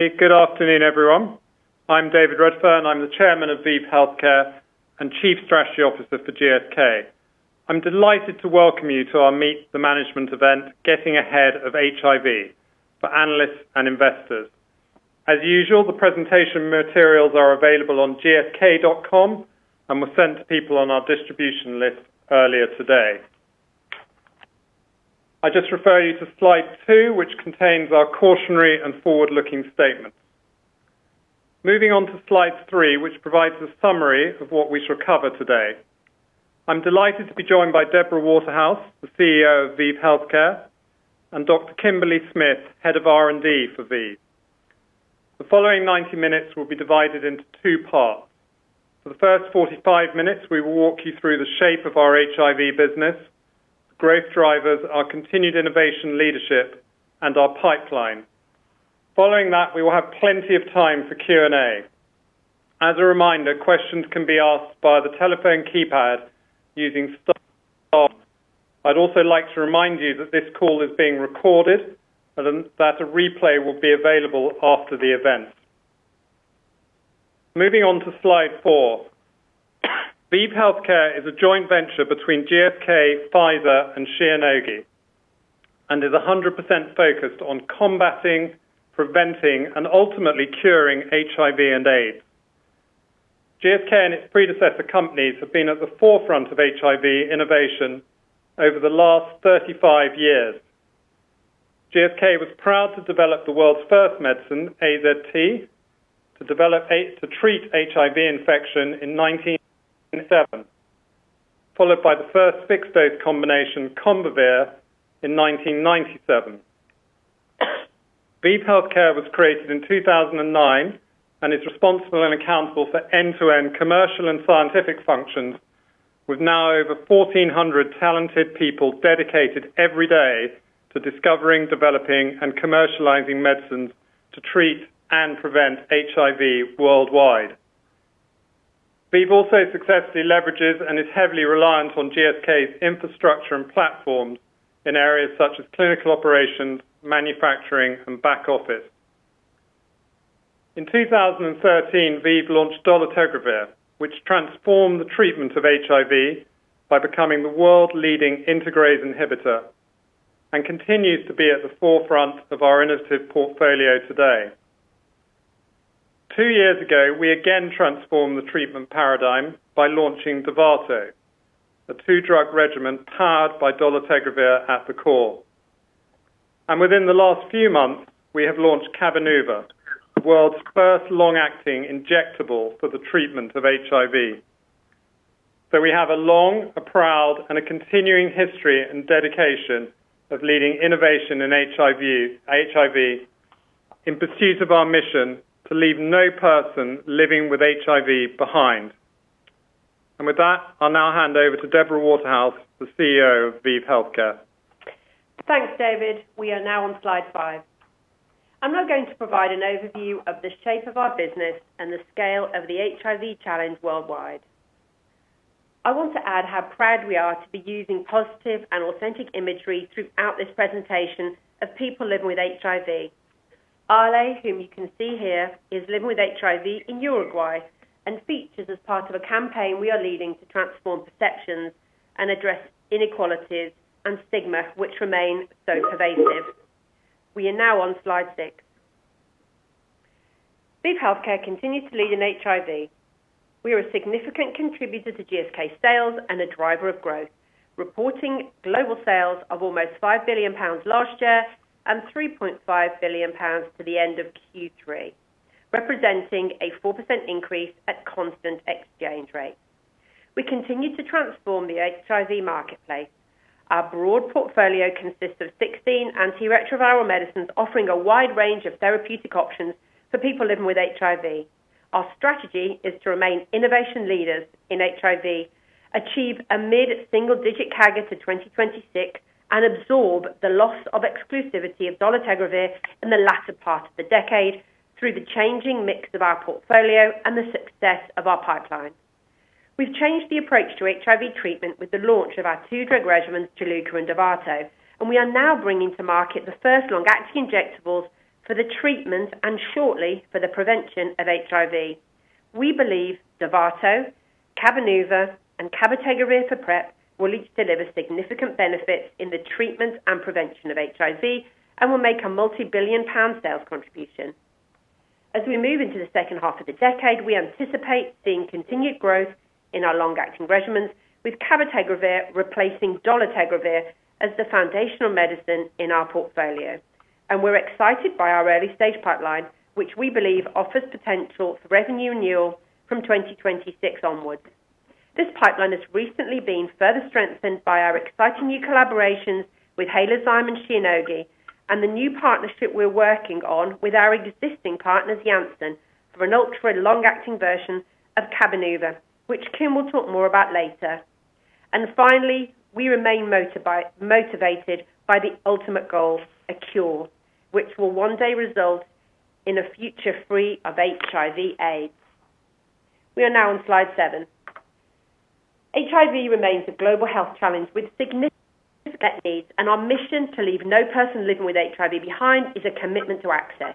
Good afternoon, everyone. I'm David Redfern. I'm the Chairman of ViiV Healthcare and Chief Strategy Officer for GSK. I'm delighted to welcome you to our Meet the Management event, Getting Ahead of HIV, for analysts and investors. As usual, the presentation materials are available on gsk.com and were sent to people on our distribution list earlier today. I just refer you to slide 2, which contains our cautionary and forward-looking statements. Moving on to slide 3, which provides a summary of what we shall cover today. I'm delighted to be joined by Deborah Waterhouse, the CEO of ViiV Healthcare, and Dr. Kimberly Smith, Head of R&D for ViiV. The following 90 minutes will be divided into two parts. For the first 45 minutes, we will walk you through the shape of our HIV business, growth drivers, our continued innovation leadership, and our pipeline. Following that, we will have plenty of time for Q&A. As a reminder, questions can be asked via the telephone keypad using star one. I'd also like to remind you that this call is being recorded and that a replay will be available after the event. Moving on to slide 4. ViiV Healthcare is a joint venture between GSK, Pfizer, and Shionogi, and is 100% focused on combating, preventing, and ultimately curing HIV and AIDS. GSK and its predecessor companies have been at the forefront of HIV innovation over the last 35 years. GSK was proud to develop the world's first medicine, AZT, to treat HIV infection in 1977, followed by the first fixed-dose combination, Combivir, in 1997. ViiV Healthcare was created in 2009 and is responsible and accountable for end-to-end commercial and scientific functions with now over 1,400 talented people dedicated every day to discovering, developing, and commercializing medicines to treat and prevent HIV worldwide. ViiV also successfully leverages and is heavily reliant on GSK's infrastructure and platforms in areas such as clinical operations, manufacturing, and back office. In 2013, ViiV launched dolutegravir, which transformed the treatment of HIV by becoming the world-leading integrase inhibitor and continues to be at the forefront of our innovative portfolio today. Two years ago, we again transformed the treatment paradigm by launching Dovato, a two-drug regimen powered by dolutegravir at the core. Within the last few months, we have launched Cabenuva, the world's first long-acting injectable for the treatment of HIV. We have a long, a proud, and a continuing history and dedication of leading innovation in HIV in pursuit of our mission to leave no person living with HIV behind. With that, I'll now hand over to Deborah Waterhouse, the CEO of ViiV Healthcare. Thanks, David. We are now on slide 5. I'm now going to provide an overview of the shape of our business and the scale of the HIV challenge worldwide. I want to add how proud we are to be using positive and authentic imagery throughout this presentation of people living with HIV. Ale, whom you can see here, is living with HIV in Uruguay and features as part of a campaign we are leading to transform perceptions and address inequalities and stigma which remain so pervasive. We are now on slide 6. ViiV Healthcare continues to lead in HIV. We are a significant contributor to GSK sales and a driver of growth, reporting global sales of almost 5 billion pounds last year and 3.5 billion pounds to the end of Q3, representing a 4% increase at constant exchange rate. We continue to transform the HIV marketplace. Our broad portfolio consists of 16 antiretroviral medicines offering a wide range of therapeutic options for people living with HIV. Our strategy is to remain innovation leaders in HIV, achieve a mid-single-digit CAGR to 2026, and absorb the loss of exclusivity of dolutegravir in the latter part of the decade through the changing mix of our portfolio and the success of our pipeline. We've changed the approach to HIV treatment with the launch of our two-drug regimens, Juluca and Dovato, and we are now bringing to market the first long-acting injectables for the treatment and shortly for the prevention of HIV. We believe Dovato, Cabenuva, and cabotegravir for PrEP will each deliver significant benefits in the treatment and prevention of HIV and will make a multibillion-pound sales contribution. As we move into the second half of the decade, we anticipate seeing continued growth in our long-acting regimens with cabotegravir replacing dolutegravir as the foundational medicine in our portfolio. We're excited by our early-stage pipeline, which we believe offers potential for revenue renewal from 2026 onwards. This pipeline has recently been further strengthened by our exciting new collaborations with Halozyme and Shionogi and the new partnership we're working on with our existing partners, Janssen, for an ultra-long-acting version of Cabenuva, which Kim will talk more about later. Finally, we remain motivated by the ultimate goal, a cure, which will one day result in a future free of HIV AIDS. We are now on slide 7. HIV remains a global health challenge with significant needs, and our mission to leave no person living with HIV behind is a commitment to access.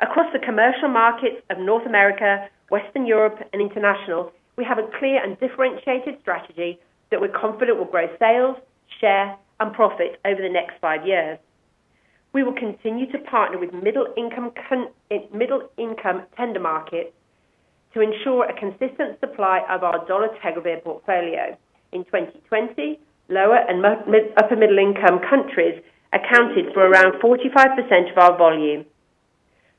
Across the commercial markets of North America, Western Europe, and International, we have a clear and differentiated strategy that we're confident will grow sales, share, and profit over the next five years. We will continue to partner with middle-income tender markets to ensure a consistent supply of our dolutegravir portfolio. In 2020, lower and upper middle-income countries accounted for around 45% of our volume.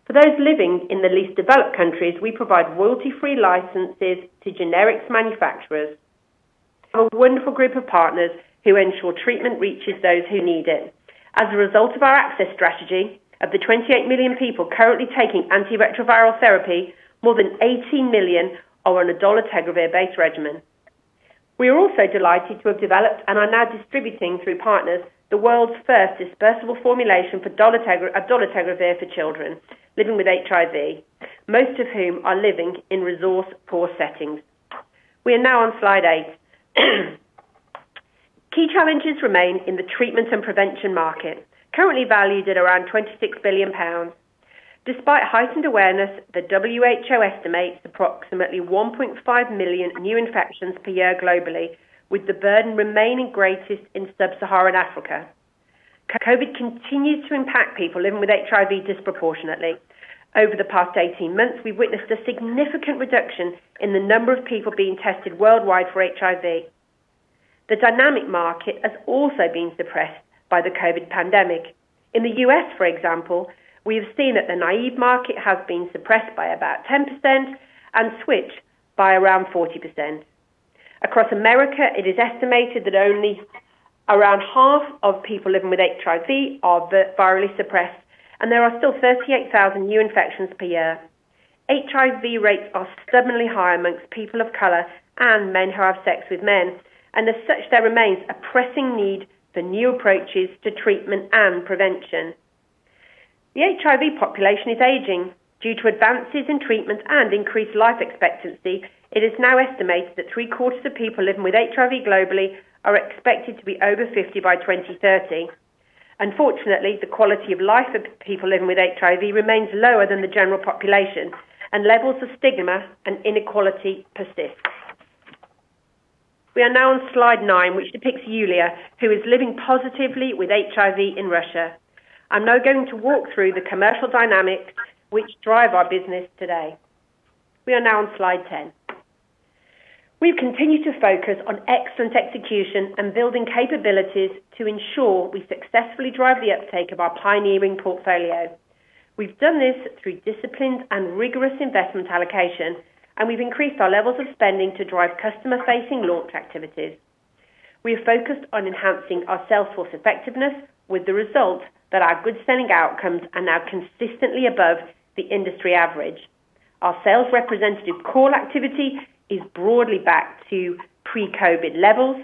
For those living in the least developed countries, we provide royalty-free licenses to generics manufacturers. A wonderful group of partners who ensure treatment reaches those who need it. As a result of our access strategy, of the 28 million people currently taking antiretroviral therapy, more than 18 million are on a dolutegravir-based regimen. We are also delighted to have developed and are now distributing through partners, the world's first dispersible formulation of dolutegravir for children living with HIV, most of whom are living in resource-poor settings. We are now on slide 8. Key challenges remain in the treatment and prevention market, currently valued at around 26 billion pounds. Despite heightened awareness, the WHO estimates approximately 1.5 million new infections per year globally, with the burden remaining greatest in sub-Saharan Africa. COVID continues to impact people living with HIV disproportionately. Over the past 18 months, we've witnessed a significant reduction in the number of people being tested worldwide for HIV. The dynamic market has also been suppressed by the COVID pandemic. In the U.S., for example, we have seen that the naïve market has been suppressed by about 10% and switched by around 40%. Across America, it is estimated that only around half of people living with HIV are virally suppressed, and there are still 38,000 new infections per year. HIV rates are stubbornly high among people of color and men who have sex with men, and as such, there remains a pressing need for new approaches to treatment and prevention. The HIV population is aging. Due to advances in treatment and increased life expectancy, it is now estimated that three-quarters of people living with HIV globally are expected to be over 50 by 2030. Unfortunately, the quality of life of people living with HIV remains lower than the general population, and levels of stigma and inequality persist. We are now on slide 9, which depicts Yulia, who is living positively with HIV in Russia. I'm now going to walk through the commercial dynamics which drive our business today. We are now on slide 10. We continue to focus on excellent execution and building capabilities to ensure we successfully drive the uptake of our pioneering portfolio. We've done this through disciplined and rigorous investment allocation, and we've increased our levels of spending to drive customer-facing launch activities. We are focused on enhancing our sales force effectiveness with the result that our good spending outcomes are now consistently above the industry average. Our sales representative call activity is broadly back to pre-COVID levels,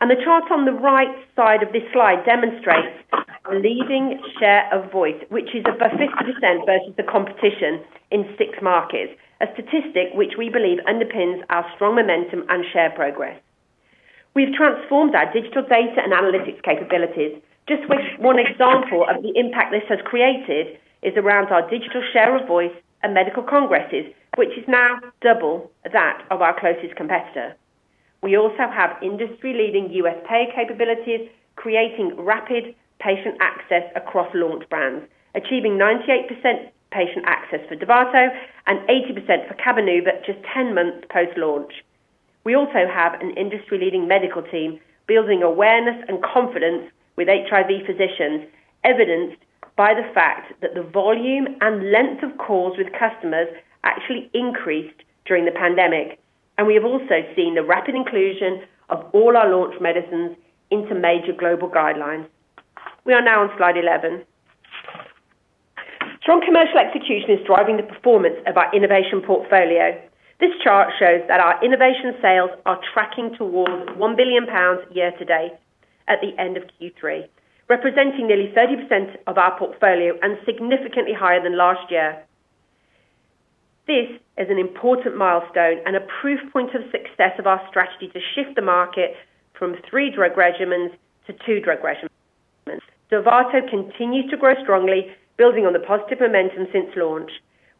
and the chart on the right side of this slide demonstrates our leading share of voice, which is above 50% versus the competition in six markets, a statistic which we believe underpins our strong momentum and share progress. We've transformed our digital data and analytics capabilities. Just with one example of the impact this has created is around our digital share of voice and medical congresses, which is now double that of our closest competitor. We also have industry-leading U.S. payer capabilities, creating rapid patient access across launch brands, achieving 98% patient access for Dovato and 80% for Cabenuva just 10 months post-launch. We also have an industry-leading medical team building awareness and confidence with HIV physicians, evidenced by the fact that the volume and length of calls with customers actually increased during the pandemic, and we have also seen the rapid inclusion of all our launch medicines into major global guidelines. We are now on slide 11. Strong commercial execution is driving the performance of our innovation portfolio. This chart shows that our innovation sales are tracking towards 1 billion pounds year to date at the end of Q3, representing nearly 30% of our portfolio and significantly higher than last year. This is an important milestone and a proof point of success of our strategy to shift the market from three drug regimens to two drug regimens. Dovato continues to grow strongly, building on the positive momentum since launch.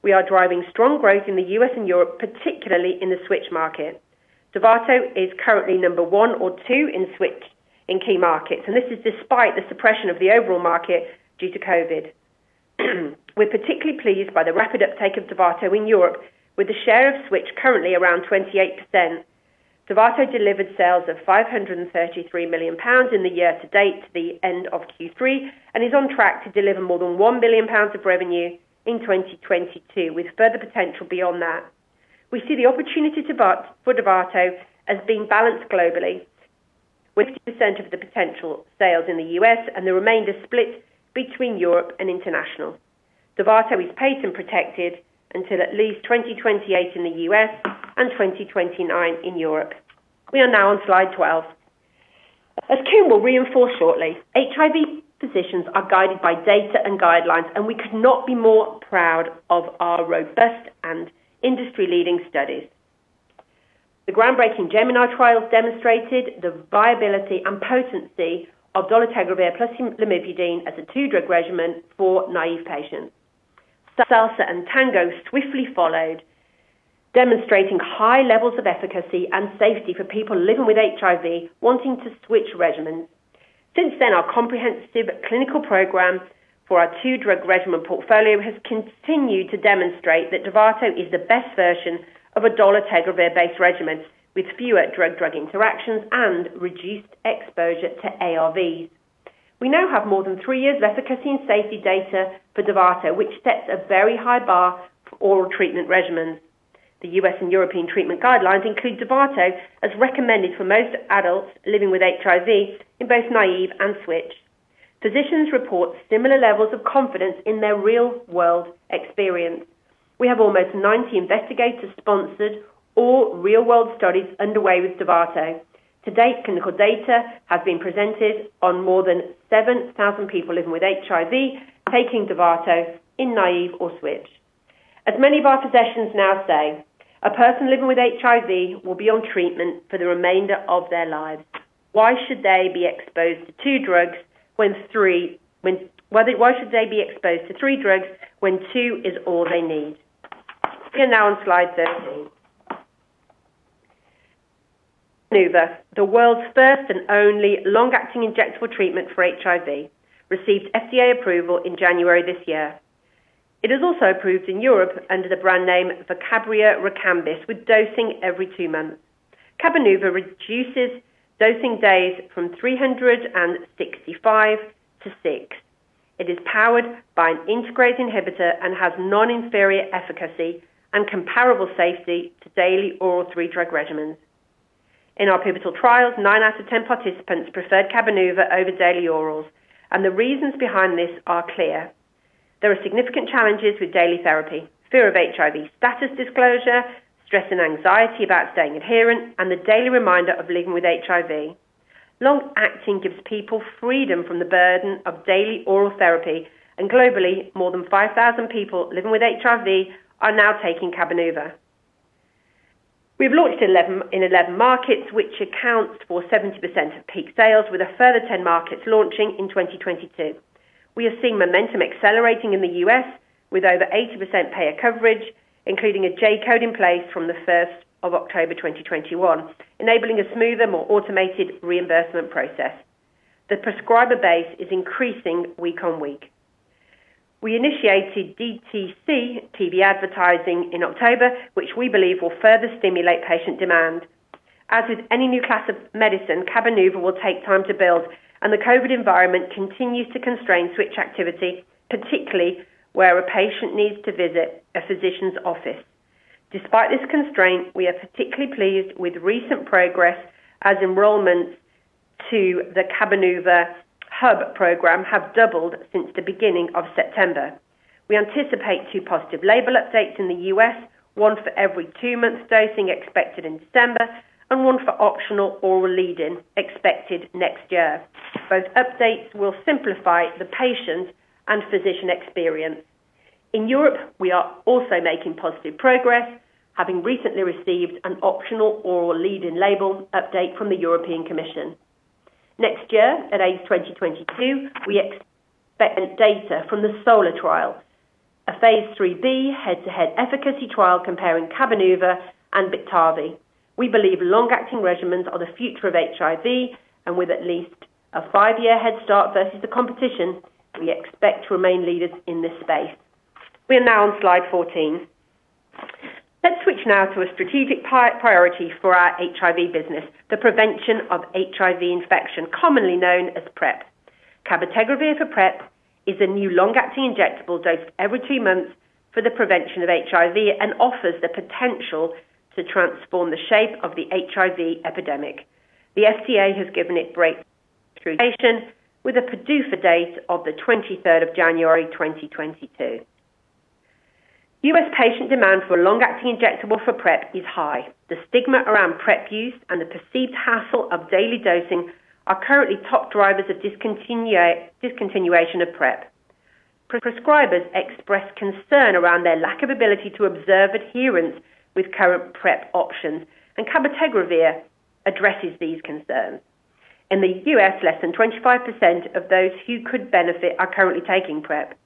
We are driving strong growth in the U.S. and Europe, particularly in the switch market. Dovato is currently number one or two in switch in key markets, and this is despite the suppression of the overall market due to COVID. We're particularly pleased by the rapid uptake of Dovato in Europe, with the share of switch currently around 28%. Dovato delivered sales of 533 million pounds in the year to date to the end of Q3 and is on track to deliver more than 1 billion pounds of revenue in 2022, with further potential beyond that. We see the opportunity for Dovato as being balanced globally, with 50% of the potential sales in the U.S. and the remainder split between Europe and International. Dovato is paid and protected until at least 2028 in the U.S. and 2029 in Europe. We are now on slide 12. As Kim will reinforce shortly, HIV portfolio is guided by data and guidelines, and we could not be more proud of our robust and industry-leading studies. The groundbreaking GEMINI trials demonstrated the viability and potency of dolutegravir plus lamivudine as a two-drug regimen for treatment-naive patients. SALSA and TANGO swiftly followed, demonstrating high levels of efficacy and safety for people living with HIV wanting to switch regimens. Since then, our comprehensive clinical program for our two-drug regimen portfolio has continued to demonstrate that Dovato is the best version of a dolutegravir-based regimen with fewer drug-drug interactions and reduced exposure to ARVs. We now have more than three years efficacy and safety data for Dovato, which sets a very high bar for oral treatment regimens. The U.S. and European treatment guidelines include Dovato as recommended for most adults living with HIV in both naive and switch. Physicians report similar levels of confidence in their real-world experience. We have almost 90 investigator-sponsored real-world studies underway with Dovato. To date, clinical data has been presented on more than 7,000 people living with HIV taking Dovato in naive or switch. As many of our physicians now say, a person living with HIV will be on treatment for the remainder of their lives. Why should they be exposed to three drugs when two is all they need? We're now on slide 13. Cabenuva, the world's first and only long-acting injectable treatment for HIV, received FDA approval in January this year. It is also approved in Europe under the brand name Vocabria + Rekambys, with dosing every two months. Cabenuva reduces dosing days from 365 to 6. It is powered by an integrase inhibitor and has non-inferior efficacy and comparable safety to daily oral three-drug regimens. In our pivotal trials, 9 out of 10 participants preferred Cabenuva over daily orals, and the reasons behind this are clear. There are significant challenges with daily therapy: fear of HIV status disclosure, stress and anxiety about staying adherent, and the daily reminder of living with HIV. Long-acting gives people freedom from the burden of daily oral therapy, and globally, more than 5,000 people living with HIV are now taking Cabenuva. We've launched in 11 markets, which accounts for 70% of peak sales, with a further 10 markets launching in 2022. We are seeing momentum accelerating in the U.S., with over 80% payer coverage, including a J-code in place from October 1, 2021, enabling a smoother, more automated reimbursement process. The prescriber base is increasing week on week. We initiated DTC TV advertising in October, which we believe will further stimulate patient demand. As with any new class of medicine, Cabenuva will take time to build, and the COVID environment continues to constrain switch activity, particularly where a patient needs to visit a physician's office. Despite this constraint, we are particularly pleased with recent progress as enrollments to the Cabenuva Hub program have doubled since the beginning of September. We anticipate two positive label updates in the U.S., one for every 2 months dosing expected in December, and one for an optional oral lead-in expected next year. Both updates will simplify the patient and physician experience. In Europe, we are also making positive progress, having recently received an optional oral lead-in label update from the European Commission. Next year, at AIDS 2022, we expect data from the SOLAR trial, a phase IIIb head-to-head efficacy trial comparing Cabenuva and Biktarvy. We believe long-acting regimens are the future of HIV, and with at least a 5-year head start versus the competition, we expect to remain leaders in this space. We are now on slide 14. Let's switch now to a strategic priority for our HIV business, the prevention of HIV infection, commonly known as PrEP. Cabotegravir for PrEP is a new long-acting injectable dosed every 2 months for the prevention of HIV and offers the potential to transform the shape of the HIV epidemic. The FDA has given it a breakthrough designation with a PDUFA date of the 23rd of January 2022. U.S. patient demand for long-acting injectable for PrEP is high. The stigma around PrEP use and the perceived hassle of daily dosing are currently top drivers of discontinuation of PrEP. Prescribers express concern around their lack of ability to observe adherence with current PrEP options, and cabotegravir addresses these concerns. In the U.S., less than 25% of those who could benefit are currently taking PrEP.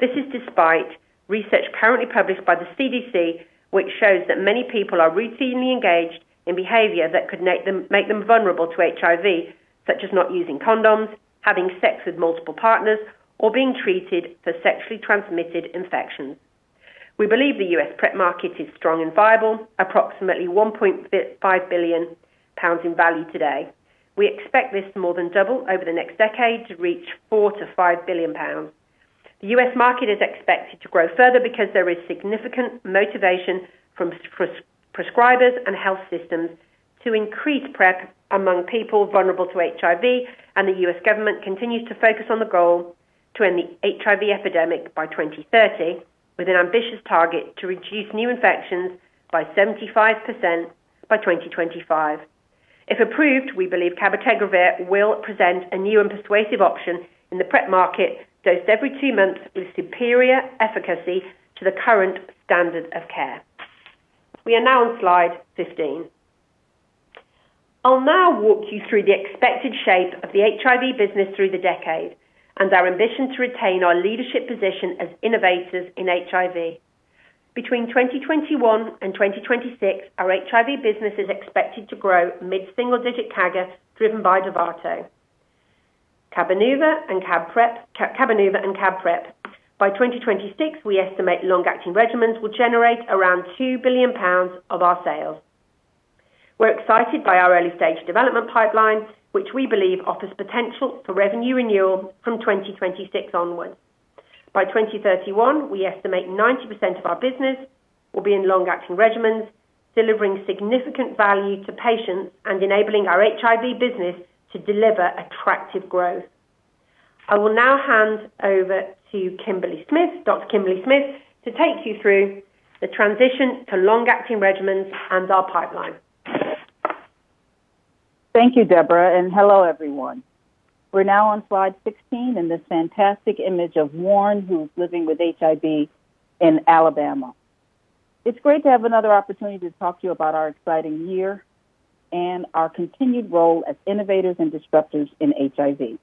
This is despite research currently published by the CDC, which shows that many people are routinely engaged in behavior that could make them vulnerable to HIV, such as not using condoms, having sex with multiple partners, or being treated for sexually transmitted infections. We believe the U.S. PrEP market is strong and viable. Approximately 1.5 billion pounds in value today. We expect this to more than double over the next decade to reach 4 billion-5 billion pounds. The U.S. market is expected to grow further because there is significant motivation from prescribers and health systems to increase PrEP among people vulnerable to HIV. The U.S. government continues to focus on the goal to end the HIV epidemic by 2030 with an ambitious target to reduce new infections by 75% by 2025. If approved, we believe cabotegravir will present a new and persuasive option in the PrEP market, dosed every two months with superior efficacy to the current standard of care. We are now on slide 15. I'll now walk you through the expected shape of the HIV business through the decade and our ambition to retain our leadership position as innovators in HIV. Between 2021 and 2026, our HIV business is expected to grow mid-single-digit CAGRs, driven by Dovato, Cabenuva, and cab PrEP. By 2026, we estimate long-acting regimens will generate around 2 billion pounds of our sales. We're excited by our early-stage development pipeline, which we believe offers potential for revenue renewal from 2026 onwards. By 2031, we estimate 90% of our business will be in long-acting regimens, delivering significant value to patients and enabling our HIV business to deliver attractive growth. I will now hand over to Dr. Kimberly Smith to take you through the transition to long-acting regimens and our pipeline. Thank you, Deborah, and hello, everyone. We're now on slide 16 in this fantastic image of Warren, who's living with HIV in Alabama. It's great to have another opportunity to talk to you about our exciting year and our continued role as innovators and disruptors in HIV.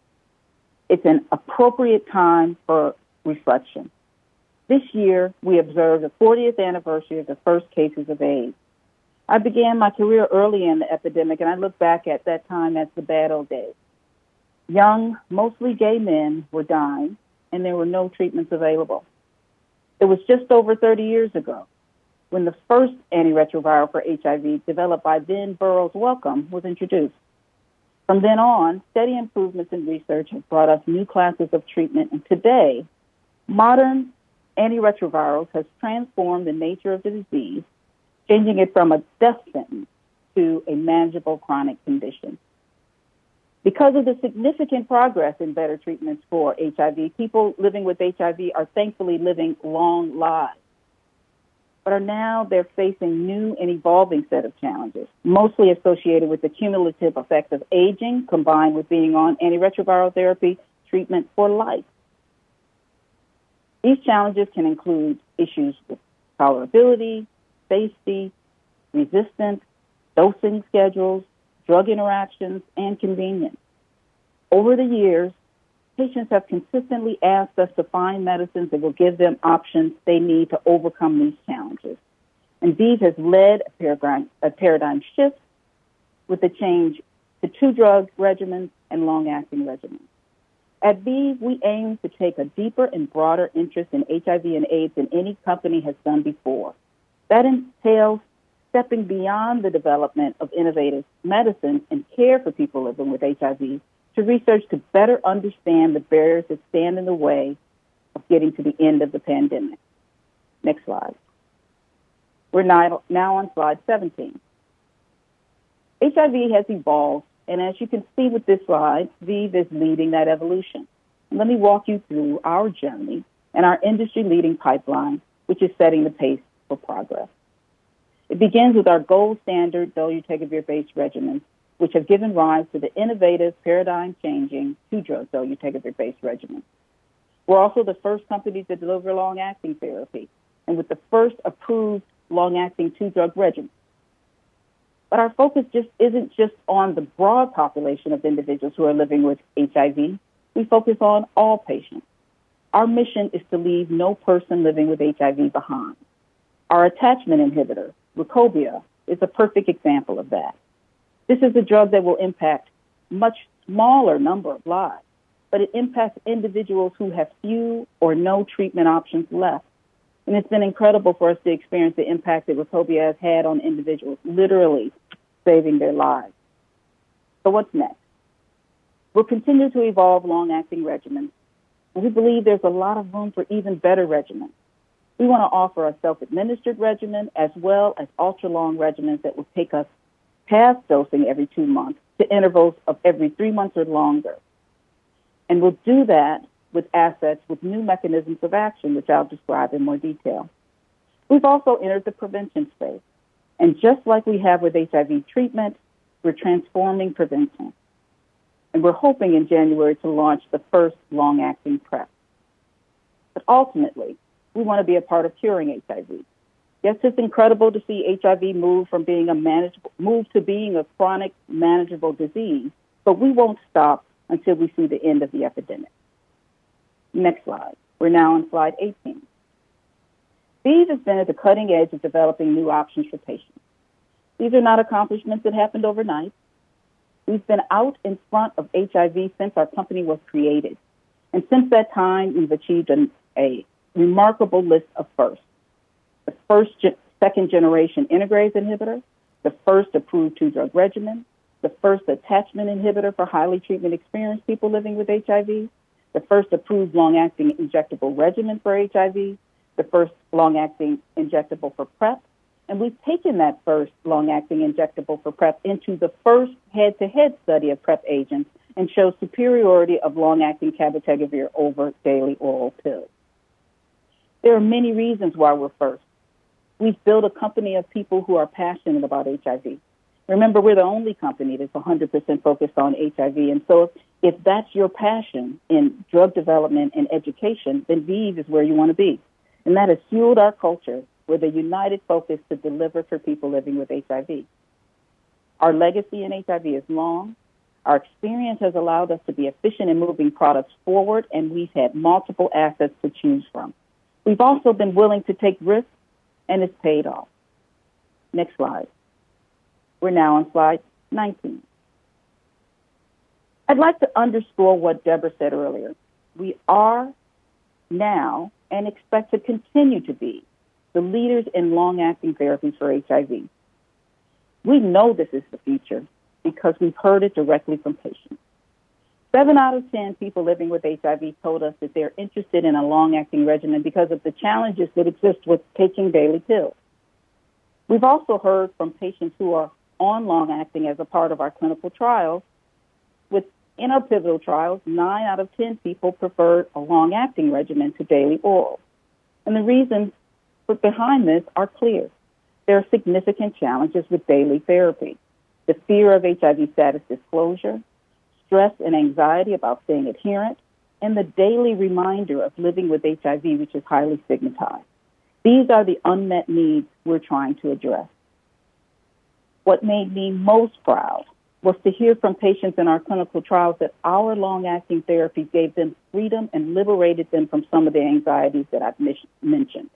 It's an appropriate time for reflection. This year, we observe the fortieth anniversary of the first cases of AIDS. I began my career early in the epidemic, and I look back at that time as the bad old days. Young, mostly gay men were dying, and there were no treatments available. It was just over 30 years ago when the first antiretroviral for HIV, developed by then Burroughs Wellcome, was introduced. From then on, steady improvements in research have brought us new classes of treatment, and today, modern antiretrovirals has transformed the nature of the disease, changing it from a death sentence to a manageable chronic condition. Because of the significant progress in better treatments for HIV, people living with HIV are thankfully living long lives. Now they're facing new and evolving set of challenges, mostly associated with the cumulative effects of aging, combined with being on antiretroviral therapy treatment for life. These challenges can include issues with tolerability, safety, resistance, dosing schedules, drug interactions, and convenience. Over the years, patients have consistently asked us to find medicines that will give them options they need to overcome these challenges. ViiV has led a paradigm shift with the change to two drug regimens and long-acting regimens. At ViiV, we aim to take a deeper and broader interest in HIV and AIDS than any company has done before. That entails stepping beyond the development of innovative medicine and care for people living with HIV to research to better understand the barriers that stand in the way of getting to the end of the pandemic. Next slide. We're now on slide 17. HIV has evolved, and as you can see with this slide, ViiV is leading that evolution. Let me walk you through our journey and our industry-leading pipeline, which is setting the pace for progress. It begins with our gold standard dolutegravir-based regimens, which have given rise to the innovative paradigm-changing two-drug dolutegravir-based regimen. We're also the first company to deliver long-acting therapy and with the first approved long-acting two-drug regimen. Our focus just isn't just on the broad population of individuals who are living with HIV. We focus on all patients. Our mission is to leave no person living with HIV behind. Our attachment inhibitor, Rukobia, is a perfect example of that. This is a drug that will impact much smaller number of lives, but it impacts individuals who have few or no treatment options left. It's been incredible for us to experience the impact that Rukobia has had on individuals, literally saving their lives. What's next? We'll continue to evolve long-acting regimens, and we believe there's a lot of room for even better regimens. We wanna offer a self-administered regimen as well as ultra-long regimens that will take us past dosing every two months to intervals of every three months or longer. We'll do that with assets with new mechanisms of action, which I'll describe in more detail. We've also entered the prevention space. Just like we have with HIV treatment, we're transforming prevention. We're hoping in January to launch the first long-acting PrEP. Ultimately, we wanna be a part of curing HIV. Yes, it's incredible to see HIV move to being a chronic manageable disease, but we won't stop until we see the end of the epidemic. Next slide. We're now on slide 18. ViiV has been at the cutting edge of developing new options for patients. These are not accomplishments that happened overnight. We've been out in front of HIV since our company was created. Since that time, we've achieved a remarkable list of firsts. The first second-generation integrase inhibitor, the first approved two-drug regimen, the first attachment inhibitor for highly treatment-experienced people living with HIV, the first approved long-acting injectable regimen for HIV, the first long-acting injectable for PrEP. We've taken that first long-acting injectable for PrEP into the first head-to-head study of PrEP agents and showed superiority of long-acting cabotegravir over daily oral pill. There are many reasons why we're first. We've built a company of people who are passionate about HIV. Remember, we're the only company that's 100% focused on HIV, and so if that's your passion in drug development and education, then ViiV is where you wanna be. That has fueled our culture with a united focus to deliver for people living with HIV. Our legacy in HIV is long. Our experience has allowed us to be efficient in moving products forward, and we've had multiple assets to choose from. We've also been willing to take risks, and it's paid off. Next slide. We're now on slide 19. I'd like to underscore what Deborah said earlier. We are now, and expect to continue to be, the leaders in long-acting therapies for HIV. We know this is the future because we've heard it directly from patients. 7 out of 10 people living with HIV told us that they're interested in a long-acting regimen because of the challenges that exist with taking daily pills. We've also heard from patients who are on long-acting as a part of our clinical trials. With our pivotal trials, 9 out of 10 people preferred a long-acting regimen to daily oral. The reasons behind this are clear. There are significant challenges with daily therapy: the fear of HIV status disclosure, stress and anxiety about staying adherent, and the daily reminder of living with HIV, which is highly stigmatized. These are the unmet needs we're trying to address. What made me most proud was to hear from patients in our clinical trials that our long-acting therapy gave them freedom and liberated them from some of the anxieties that I've mentioned.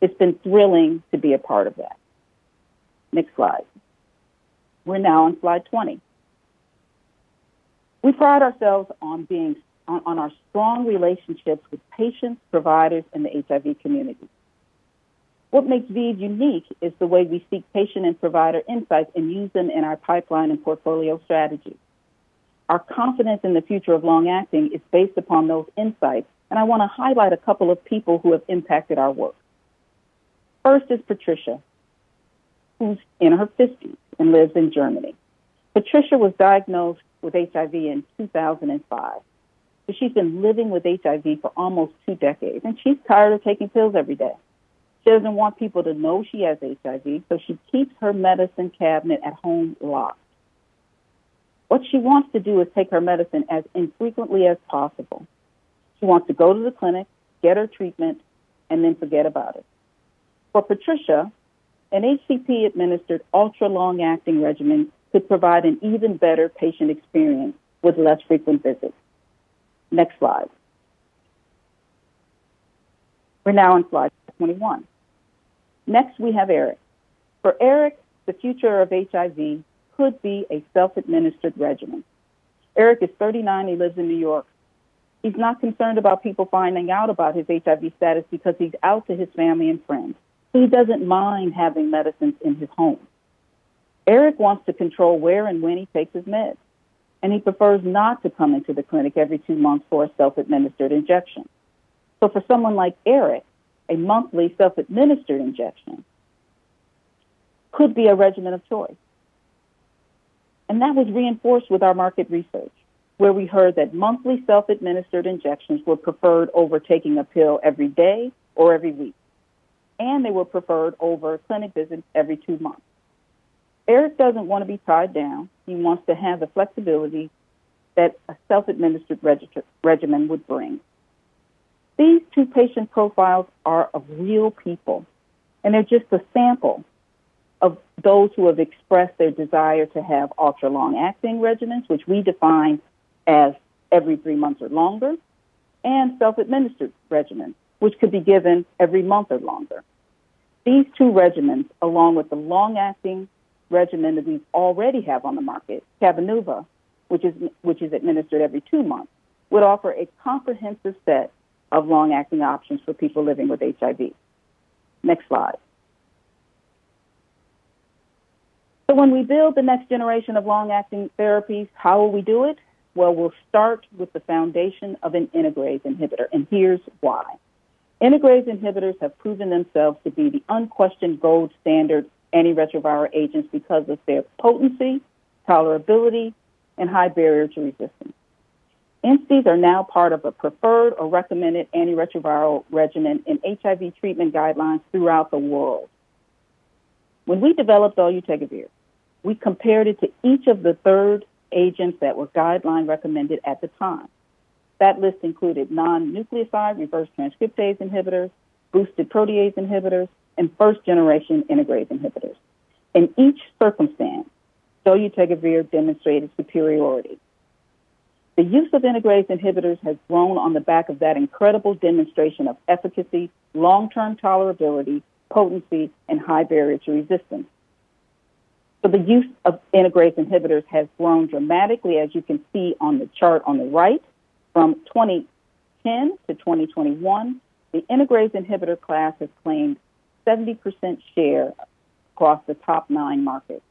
It's been thrilling to be a part of that. Next slide. We're now on slide 20. We pride ourselves on our strong relationships with patients, providers, and the HIV community. What makes ViiV unique is the way we seek patient and provider insights and use them in our pipeline and portfolio strategy. Our confidence in the future of long-acting is based upon those insights, and I wanna highlight a couple of people who have impacted our work. First is Patricia, who's in her 50s and lives in Germany. Patricia was diagnosed with HIV in 2005, so she's been living with HIV for almost two decades, and she's tired of taking pills every day. She doesn't want people to know she has HIV, so she keeps her medicine cabinet at home locked. What she wants to do is take her medicine as infrequently as possible. She wants to go to the clinic, get her treatment, and then forget about it. For Patricia, an HCP-administered ultra-long-acting regimen could provide an even better patient experience with less frequent visits. Next slide. We're now on slide 21. Next, we have Eric. For Eric, the future of HIV could be a self-administered regimen. Eric is 39. He lives in New York. He's not concerned about people finding out about his HIV status because he's out to his family and friends, so he doesn't mind having medicines in his home. Eric wants to control where and when he takes his meds, and he prefers not to come into the clinic every 2 months for a self-administered injection. For someone like Eric, a monthly self-administered injection could be a regimen of choice. That was reinforced with our market research, where we heard that monthly self-administered injections were preferred over taking a pill every day or every week, and they were preferred over clinic visits every 2 months. Eric doesn't wanna be tied down. He wants to have the flexibility that a self-administered regimen would bring. These two patient profiles are of real people, and they're just a sample of those who have expressed their desire to have ultra-long-acting regimens, which we define as every three months or longer, and self-administered regimens, which could be given every month or longer. These two regimens, along with the long-acting regimen that we already have on the market, Cabenuva, which is administered every two months, would offer a comprehensive set of long-acting options for people living with HIV. Next slide. When we build the next generation of long-acting therapies, how will we do it? Well, we'll start with the foundation of an integrase inhibitor, and here's why. Integrase inhibitors have proven themselves to be the unquestioned gold standard antiretroviral agents because of their potency, tolerability, and high barrier to resistance. INSTIs are now part of a preferred or recommended antiretroviral regimen in HIV treatment guidelines throughout the world. When we developed dolutegravir, we compared it to each of the third agents that were guideline-recommended at the time. That list included non-nucleoside reverse transcriptase inhibitors, boosted protease inhibitors, and first-generation integrase inhibitors. In each circumstance, dolutegravir demonstrated superiority. The use of integrase inhibitors has grown on the back of that incredible demonstration of efficacy, long-term tolerability, potency, and high barrier to resistance. The use of integrase inhibitors has grown dramatically, as you can see on the chart on the right. From 2010 to 2021, the integrase inhibitor class has claimed 70% share across the top nine markets.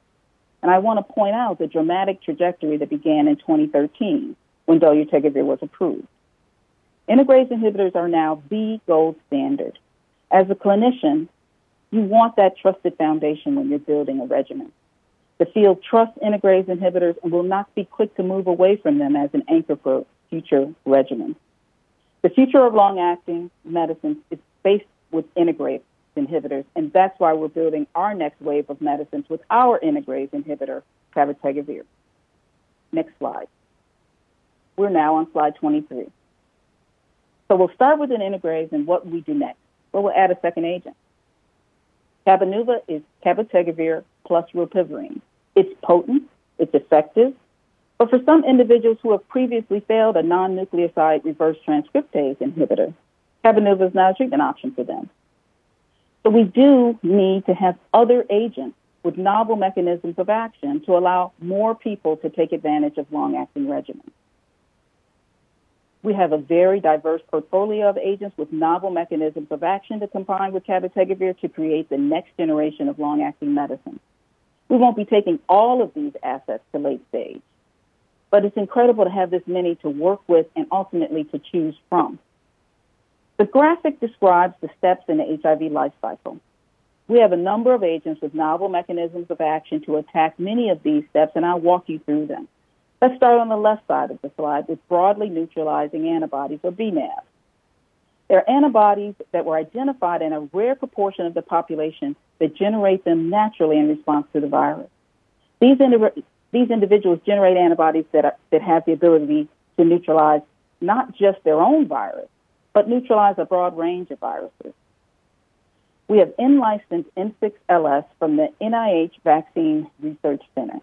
I wanna point out the dramatic trajectory that began in 2013 when dolutegravir was approved. Integrase inhibitors are now the gold standard. As a clinician, you want that trusted foundation when you're building a regimen. The field trusts integrase inhibitors and will not be quick to move away from them as an anchor for future regimens. The future of long-acting medicines is based with integrase inhibitors, and that's why we're building our next wave of medicines with our integrase inhibitor cabotegravir. Next slide. We're now on slide 23. We'll start with an integrase and what we do next? Well, we'll add a second agent. Cabenuva is cabotegravir plus rilpivirine. It's potent, it's effective, but for some individuals who have previously failed a non-nucleoside reverse transcriptase inhibitor, Cabenuva is now a treatment option for them. But we do need to have other agents with novel mechanisms of action to allow more people to take advantage of long-acting regimens. We have a very diverse portfolio of agents with novel mechanisms of action to combine with cabotegravir to create the next generation of long-acting medicines. We won't be taking all of these assets to late stage, but it's incredible to have this many to work with and ultimately to choose from. The graphic describes the steps in the HIV life cycle. We have a number of agents with novel mechanisms of action to attack many of these steps, and I'll walk you through them. Let's start on the left side of the slide with broadly neutralizing antibodies or bNAbs. They're antibodies that were identified in a rare proportion of the population that generate them naturally in response to the virus. These individuals generate antibodies that have the ability to neutralize not just their own virus, but neutralize a broad range of viruses. We have in-licensed N6LS from the NIAID Vaccine Research Center.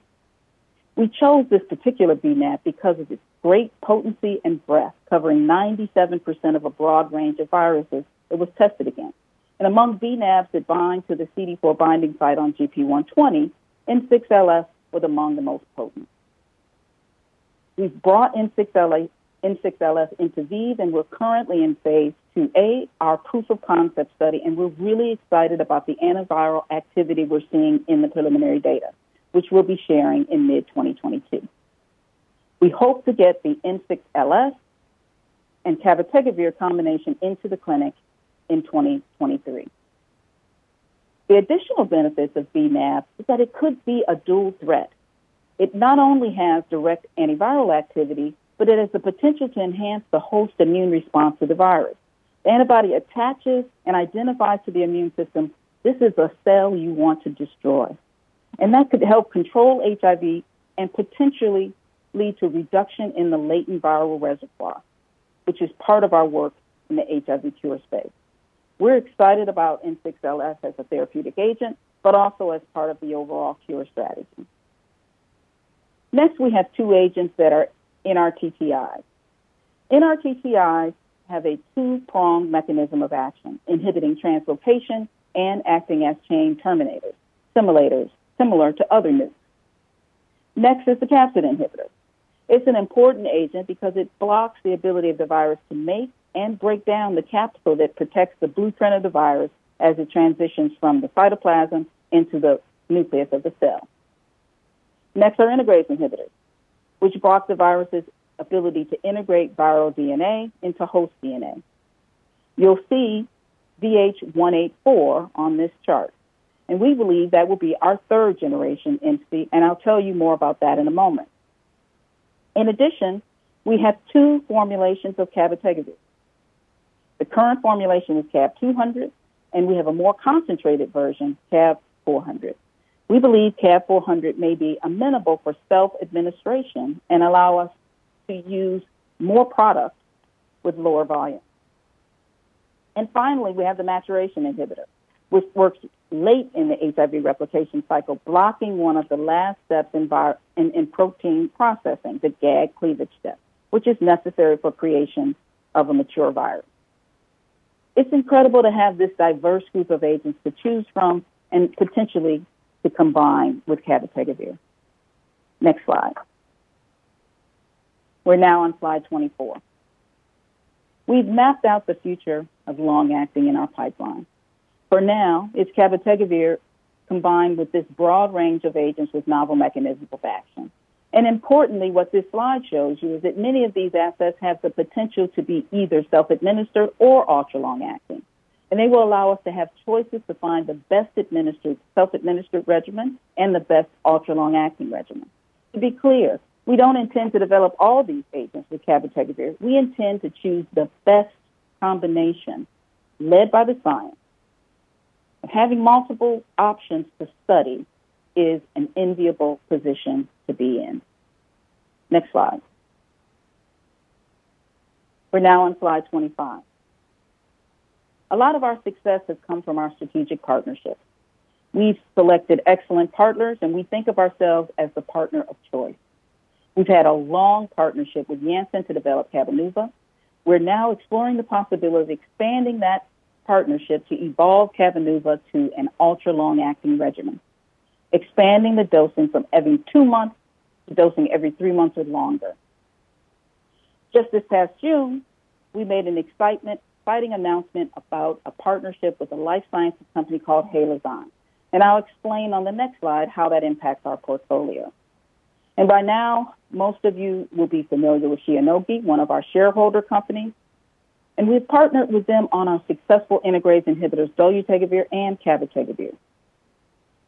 We chose this particular bNAbs because of its great potency and breadth, covering 97% of a broad range of viruses it was tested against. Among bNAbs that bind to the CD4 binding site on GP120, N6LS was among the most potent. We've brought N6LS into ViiV, and we're currently in phase II A, our proof of concept study, and we're really excited about the antiviral activity we're seeing in the preliminary data, which we'll be sharing in mid-2022. We hope to get the N6LS and cabotegravir combination into the clinic in 2023. The additional benefits of bNAbs is that it could be a dual threat. It not only has direct antiviral activity, but it has the potential to enhance the host immune response to the virus. The antibody attaches and identifies to the immune system. This is a cell you want to destroy. That could help control HIV and potentially lead to reduction in the latent viral reservoir, which is part of our work in the HIV cure space. We're excited about N6LS as a therapeutic agent, but also as part of the overall cure strategy. Next, we have two agents that are NRTTIs. NRTTIs have a two-pronged mechanism of action, inhibiting translocation and acting as chain terminators similar to other NRTIs. Next is the capsid inhibitor. It's an important agent because it blocks the ability of the virus to make and break down the capsule that protects the blueprint of the virus as it transitions from the cytoplasm into the nucleus of the cell. Next are integrase inhibitors, which block the virus's ability to integrate viral DNA into host DNA. You'll see VH184 on this chart, and we believe that will be our third-generation INSTI, and I'll tell you more about that in a moment. In addition, we have two formulations of cabotegravir. The current formulation is CAB 200, and we have a more concentrated version, CAB 400. We believe CAB 400 may be amenable for self-administration and allow us to use more product with lower volume. Finally, we have the maturation inhibitor, which works late in the HIV replication cycle, blocking one of the last steps in protein processing, the gag cleavage step, which is necessary for creation of a mature virus. It's incredible to have this diverse group of agents to choose from and potentially to combine with cabotegravir. Next slide. We're now on slide 24. We've mapped out the future of long-acting in our pipeline. For now, it's cabotegravir combined with this broad range of agents with novel mechanisms of action. Importantly, what this slide shows you is that many of these assets have the potential to be either self-administered or ultra-long-acting, and they will allow us to have choices to find the best self-administered regimen and the best ultra-long-acting regimen. To be clear, we don't intend to develop all these agents with cabotegravir. We intend to choose the best combination led by the science. But having multiple options to study is an enviable position to be in. Next slide. We're now on slide 25. A lot of our success has come from our strategic partnerships. We've selected excellent partners, and we think of ourselves as the partner of choice. We've had a long partnership with Janssen to develop Cabenuva. We're now exploring the possibility of expanding that partnership to evolve Cabenuva to an ultra-long-acting regimen, expanding the dosing from every two months to dosing every three months or longer. Just this past June, we made an exciting announcement about a partnership with a life sciences company called Halozyme, and I'll explain on the next slide how that impacts our portfolio. By now, most of you will be familiar with Shionogi, one of our shareholder companies, and we've partnered with them on our successful integrase inhibitors dolutegravir and cabotegravir.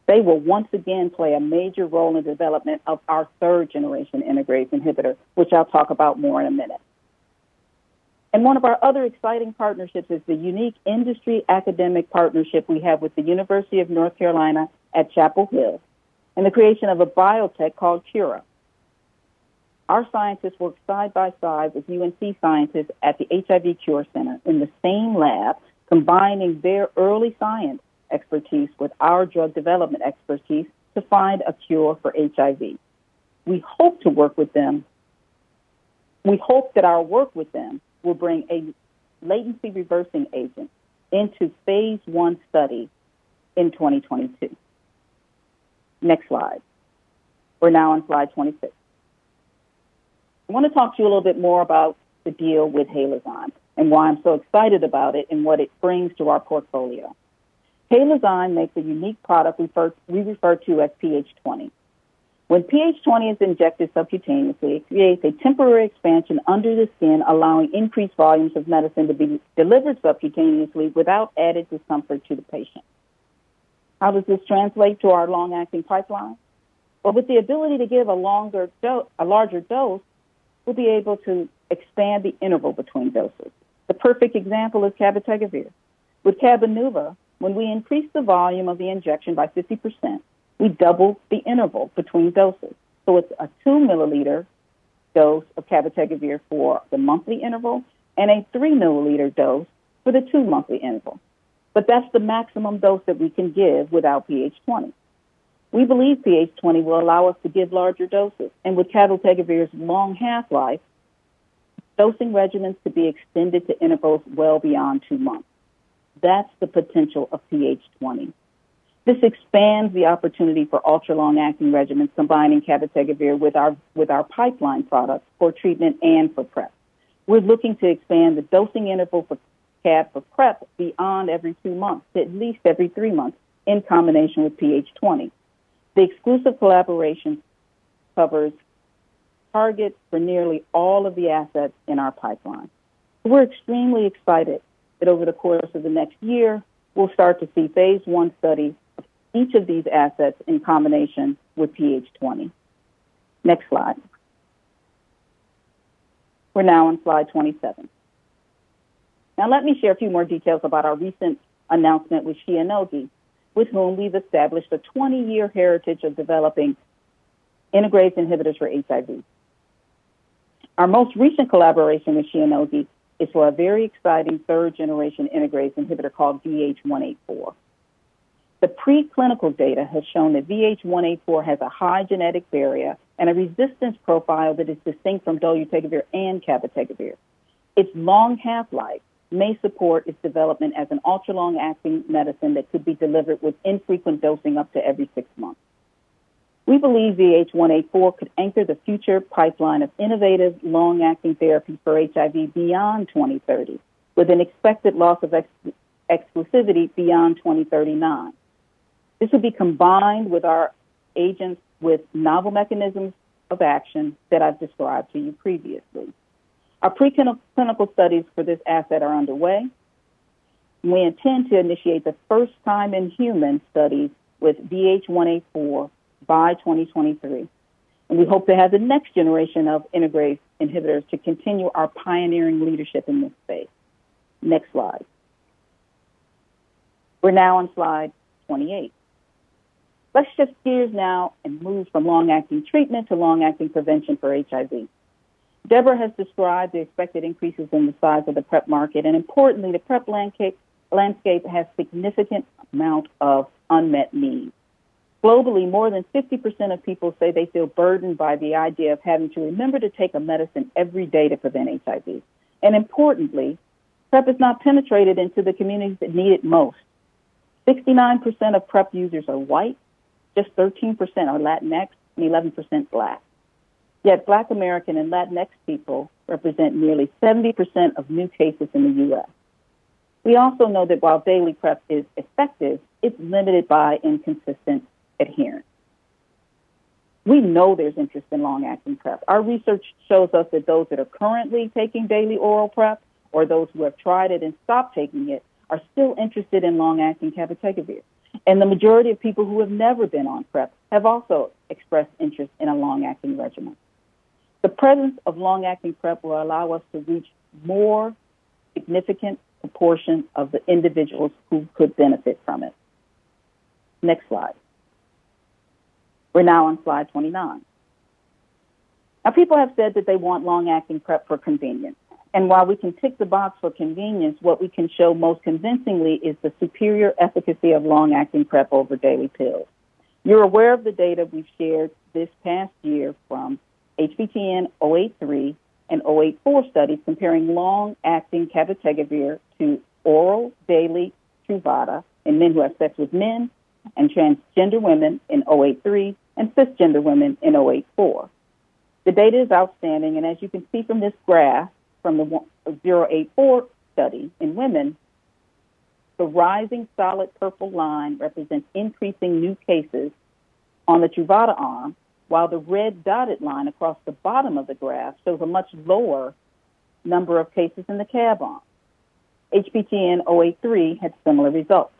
They will once again play a major role in development of our third-generation integrase inhibitor, which I'll talk about more in a minute. One of our other exciting partnerships is the unique industry academic partnership we have with the University of North Carolina at Chapel Hill and the creation of a biotech called Qura. Our scientists work side by side with UNC scientists at the HIV Cure Center in the same lab, combining their early science expertise with our drug development expertise to find a cure for HIV. We hope that our work with them will bring a latency-reversing agent into phase I study in 2022. Next slide. We're now on slide 26. I want to talk to you a little bit more about the deal with Halozyme and why I'm so excited about it and what it brings to our portfolio. Halozyme makes a unique product we refer to as PH20. When PH20 is injected subcutaneously, it creates a temporary expansion under the skin, allowing increased volumes of medicine to be delivered subcutaneously without added discomfort to the patient. How does this translate to our long-acting pipeline? Well, with the ability to give a longer dose, a larger dose, we'll be able to expand the interval between doses. The perfect example is cabotegravir. With Cabenuva, when we increase the volume of the injection by 50%, we double the interval between doses, so it's a 2-milliliter dose of cabotegravir for the monthly interval and a 3-milliliter dose for the two-monthly interval. But that's the maximum dose that we can give without PH20. We believe PH20 will allow us to give larger doses, and with cabotegravir's long half-life, dosing regimens could be extended to intervals well beyond two months. That's the potential of PH20. This expands the opportunity for ultra-long-acting regimens combining cabotegravir with our pipeline products for treatment and for PrEP. We're looking to expand the dosing interval for cab for PrEP beyond every two months, to at least every three months in combination with PH20. The exclusive collaboration covers targets for nearly all of the assets in our pipeline. We're extremely excited that over the course of the next year, we'll start to see phase I studies, each of these assets in combination with PH20. Next slide. We're now on slide 27. Now let me share a few more details about our recent announcement with Shionogi, with whom we've established a 20-year heritage of developing integrase inhibitors for HIV. Our most recent collaboration with Shionogi is for a very exciting third-generation integrase inhibitor called VH184. The preclinical data has shown that VH184 has a high genetic barrier and a resistance profile that is distinct from dolutegravir and cabotegravir. Its long half-life may support its development as an ultra-long-acting medicine that could be delivered with infrequent dosing up to every 6 months. We believe VH184 could anchor the future pipeline of innovative long-acting therapy for HIV beyond 2030, with an expected loss of exclusivity beyond 2039. This will be combined with our agents with novel mechanisms of action that I've described to you previously. Our preclinical studies for this asset are underway. We intend to initiate the first-time-in-human studies with VH184 by 2023, and we hope to have the next generation of integrase inhibitors to continue our pioneering leadership in this space. Next slide. We're now on slide 28. Let's shift gears now and move from long-acting treatment to long-acting prevention for HIV. Deborah has described the expected increases in the size of the PrEP market, and importantly, the PrEP landscape has significant amount of unmet need. Globally, more than 50% of people say they feel burdened by the idea of having to remember to take a medicine every day to prevent HIV. Importantly, PrEP has not penetrated into the communities that need it most. 69% of PrEP users are white, just 13% are Latinx, and 11% Black. Yet Black American and Latinx people represent nearly 70% of new cases in the U.S. We also know that while daily PrEP is effective, it's limited by inconsistent adherence. We know there's interest in long-acting PrEP. Our research shows us that those that are currently taking daily oral PrEP or those who have tried it and stopped taking it are still interested in long-acting cabotegravir. The majority of people who have never been on PrEP have also expressed interest in a long-acting regimen. The presence of long-acting PrEP will allow us to reach more significant proportions of the individuals who could benefit from it. Next slide. We're now on slide 29. Now people have said that they want long-acting PrEP for convenience, and while we can tick the box for convenience, what we can show most convincingly is the superior efficacy of long-acting PrEP over daily pills. You're aware of the data we've shared this past year from HPTN 083 and 084 studies comparing long-acting cabotegravir to oral daily Truvada in men who have sex with men and transgender women in 083 and cisgender women in 084. The data is outstanding, and as you can see from this graph from the HPTN 084 study in women. The rising solid purple line represents increasing new cases on the Truvada arm, while the red dotted line across the bottom of the graph shows a much lower number of cases in the CAB arm. HPTN 083 had similar results.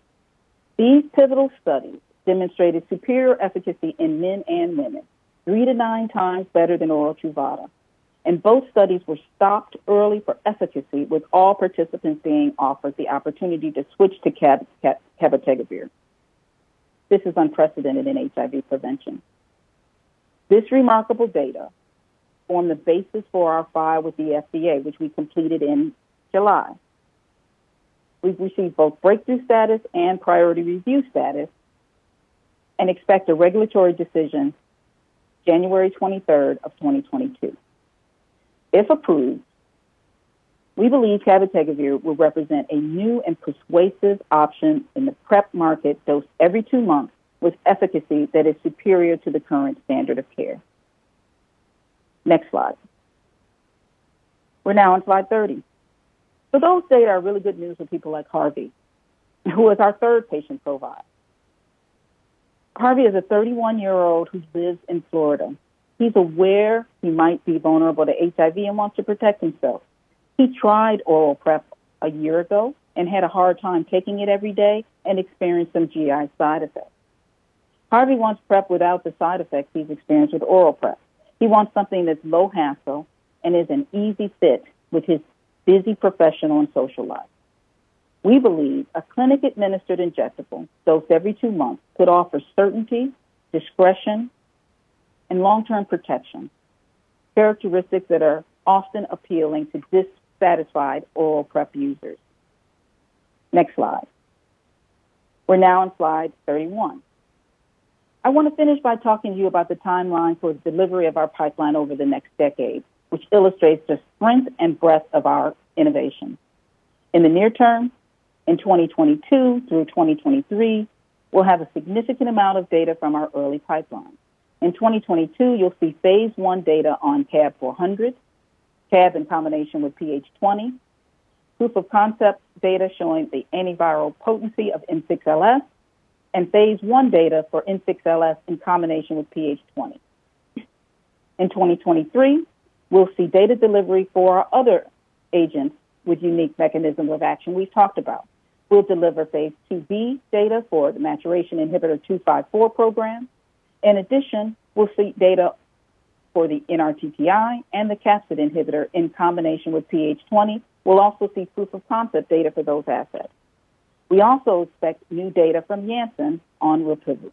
These pivotal studies demonstrated superior efficacy in men and women 3-9 times better than oral Truvada, and both studies were stopped early for efficacy, with all participants being offered the opportunity to switch to cabotegravir. This is unprecedented in HIV prevention. This remarkable data forms the basis for our filing with the FDA, which we completed in July. We've received both breakthrough status and priority review status and expect a regulatory decision January 23, 2022. If approved, we believe cabotegravir will represent a new and persuasive option in the PrEP market dosed every two months with efficacy that is superior to the current standard of care. Next slide. We're now on slide 30. Those data are really good news for people like Harvey, who is our third patient profile. Harvey is a 31-year-old who lives in Florida. He's aware he might be vulnerable to HIV and wants to protect himself. He tried oral PrEP a year ago and had a hard time taking it every day and experienced some GI side effects. Harvey wants PrEP without the side effects he's experienced with oral PrEP. He wants something that's low hassle and is an easy fit with his busy professional and social life. We believe a clinic-administered injectable dosed every 2 months could offer certainty, discretion, and long-term protection, characteristics that are often appealing to dissatisfied oral PrEP users. Next slide. We're now on slide 31. I want to finish by talking to you about the timeline for delivery of our pipeline over the next decade, which illustrates the strength and breadth of our innovation. In the near term, in 2022 through 2023, we'll have a significant amount of data from our early pipeline. In 2022, you'll see phase I data on CAB400, CAB in combination with PH20, proof of concept data showing the antiviral potency of N6LS, and phase I data for N6LS in combination with PH20. In 2023, we'll see data delivery for our other agents with unique mechanisms of action we've talked about. We'll deliver phase IIb data for the GSK3640254 program. In addition, we'll see data for the NRTTI and the capsid inhibitor in combination with PH20. We'll also see proof of concept data for those assets. We also expect new data from Janssen on rilpivirine.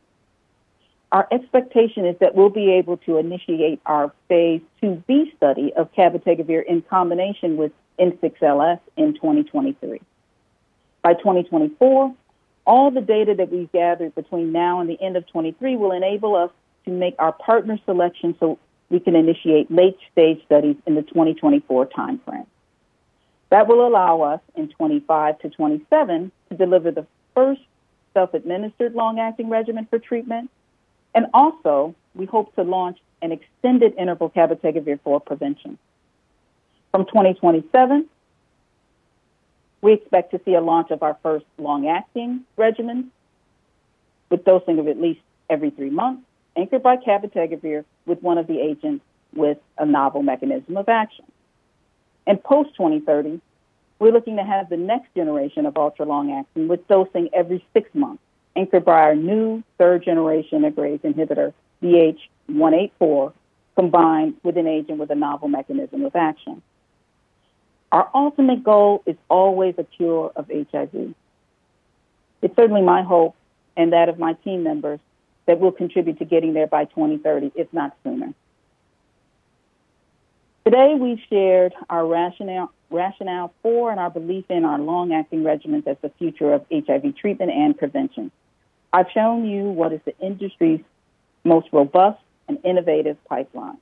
Our expectation is that we'll be able to initiate our phase IIb study of cabotegravir in combination with N6LS in 2023. By 2024, all the data that we've gathered between now and the end of 2023 will enable us to make our partner selection so we can initiate late-stage studies in the 2024 timeframe. That will allow us in 2025 to 2027 to deliver the first self-administered long-acting regimen for treatment. We hope to launch an extended interval cabotegravir for prevention. From 2027, we expect to see a launch of our first long-acting regimen with dosing of at least every three months, anchored by cabotegravir with one of the agents with a novel mechanism of action. In post-2030, we're looking to have the next generation of ultra long-acting with dosing every six months, anchored by our new third-generation integrase inhibitor VH184, combined with an agent with a novel mechanism of action. Our ultimate goal is always a cure of HIV. It's certainly my hope and that of my team members that we'll contribute to getting there by 2030, if not sooner. Today, we've shared our rationale for and our belief in our long-acting regimens as the future of HIV treatment and prevention. I've shown you what is the industry's most robust and innovative pipeline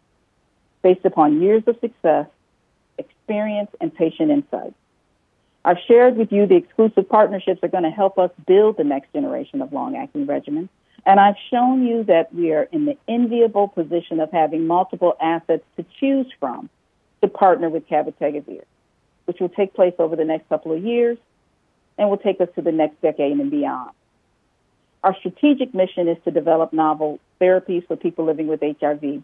based upon years of success, experience, and patient insight. I've shared with you the exclusive partnerships that are gonna help us build the next generation of long-acting regimens, and I've shown you that we are in the enviable position of having multiple assets to choose from to partner with cabotegravir, which will take place over the next couple of years and will take us to the next decade and beyond. Our strategic mission is to develop novel therapies for people living with HIV.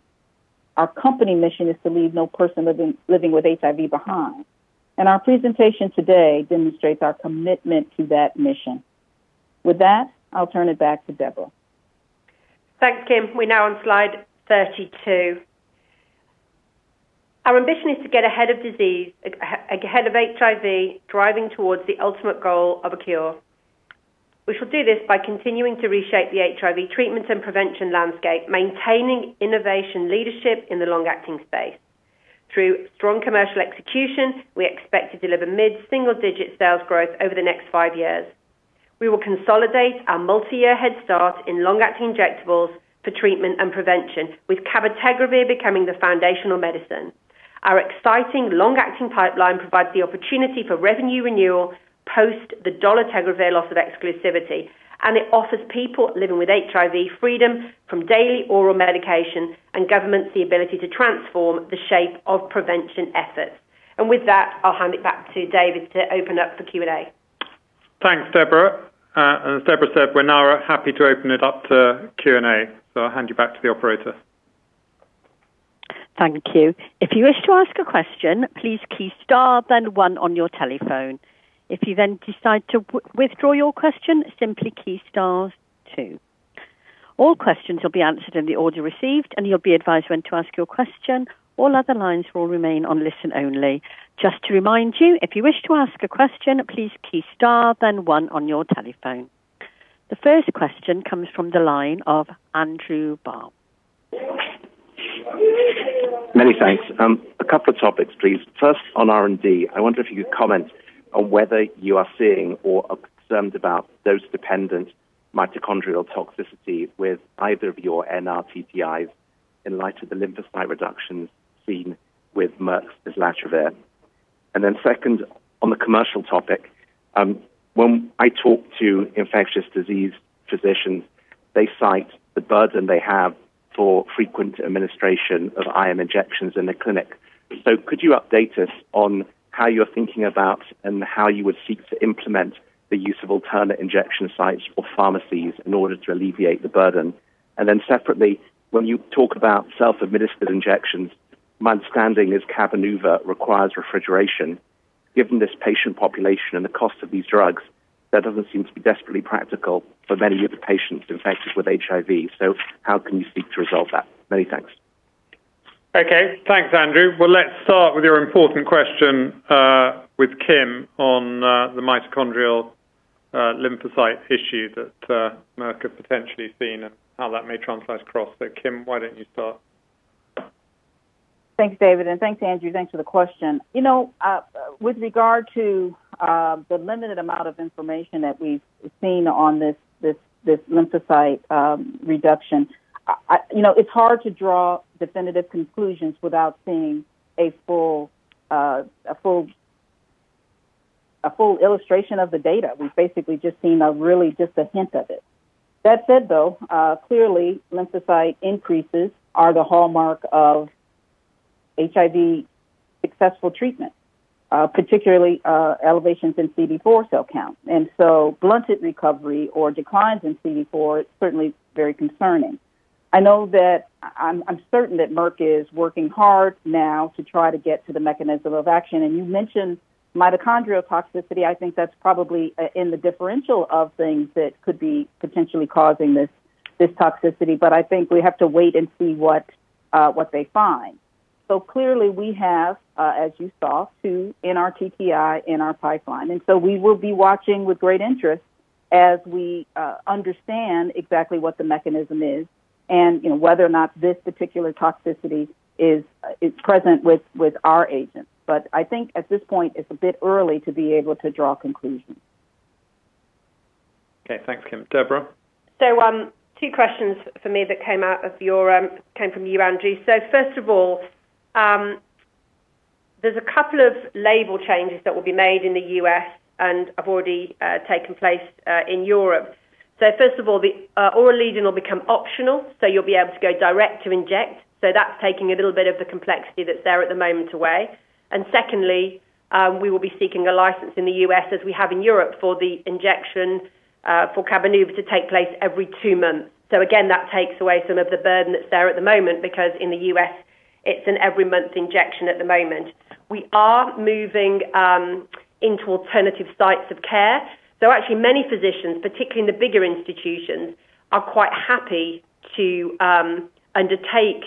Our company mission is to leave no person living with HIV behind. Our presentation today demonstrates our commitment to that mission. With that, I'll turn it back to Deborah. Thanks, Kim. We're now on slide 32. Our ambition is to get ahead of disease, ahead of HIV, driving towards the ultimate goal of a cure. We shall do this by continuing to reshape the HIV treatment and prevention landscape, maintaining innovation leadership in the long-acting space. Through strong commercial execution, we expect to deliver mid-single digit sales growth over the next 5 years. We will consolidate our multi-year head start in long-acting injectables for treatment and prevention, with cabotegravir becoming the foundational medicine. Our exciting long-acting pipeline provides the opportunity for revenue renewal post the dolutegravir loss of exclusivity, and it offers people living with HIV freedom from daily oral medication and governments the ability to transform the shape of prevention efforts. With that, I'll hand it back to David to open up for Q&A. Thanks, Deborah. As Deborah said, we're now happy to open it up to Q&A. I'll hand you back to the operator. Thank you. If you wish to ask a question, please key star then 1 on your telephone. If you then decide to withdraw your question, simply key star 2. All questions will be answered in the order received, and you'll be advised when to ask your question. All other lines will remain on listen only. Just to remind you, if you wish to ask a question, please key star then one on your telephone. The first question comes from the line of Andrew Baum. Many thanks. A couple of topics, please. First on R&D, I wonder if you could comment on whether you are seeing or are concerned about those dose-dependent mitochondrial toxicities with either of your NRTTIs in light of the lymphocyte reductions seen with Merck's islatravir. Then, second on the commercial topic, when I talk to infectious disease physicians, they cite the burden they have for frequent administration of IM injections in the clinic. Could you update us on how you're thinking about and how you would seek to implement the use of alternate injection sites or pharmacies in order to alleviate the burden? Then separately, when you talk about self-administered injections, my understanding is Cabenuva requires refrigeration. Given this patient population and the cost of these drugs, that doesn't seem to be especially practical for many of the patients infected with HIV. How can you seek to resolve that? Many thanks. Okay. Thanks, Andrew. Well, let's start with your important question with Kim on the mitochondrial lymphocyte issue that Merck has potentially seen and how that may translate across. Kim, why don't you start? Thanks, David, and thanks, Andrew. Thanks for the question. with regard to the limited amount of information that we've seen on this lymphocyte reduction, it's hard to draw definitive conclusions without seeing a full illustration of the data. We've basically just seen a hint of it. That said, clearly lymphocyte increases are the hallmark of successful HIV treatment, particularly elevations in CD4 cell count. Blunted recovery or declines in CD4 is certainly very concerning. I know that I'm certain that Merck is working hard now to try to get to the mechanism of action. You mentioned mitochondrial toxicity. I think that's probably in the differential of things that could be potentially causing this toxicity. I think we have to wait and see what they find. Clearly, we have, as you saw, two NRTTI in our pipeline, and we will be watching with great interest as we understand exactly what the mechanism is and, whether or not this particular toxicity is present with our agent. I think at this point it's a bit early to be able to draw conclusions. Okay, thanks, Kim. Deborah. Two questions for me that came from you, Andrew. First of all, there's a couple of label changes that will be made in the U.S. and have already taken place in Europe. First of all, the oral lead-in will become optional, so you'll be able to go direct to inject. That's taking a little bit of the complexity that's there at the moment away. Secondly, we will be seeking a license in the U.S. as we have in Europe for the injection for Cabenuva to take place every two months. Again, that takes away some of the burden that's there at the moment, because in the U.S. it's an every month injection at the moment. We are moving into alternative sites of care. Actually many physicians, particularly in the bigger institutions, are quite happy to undertake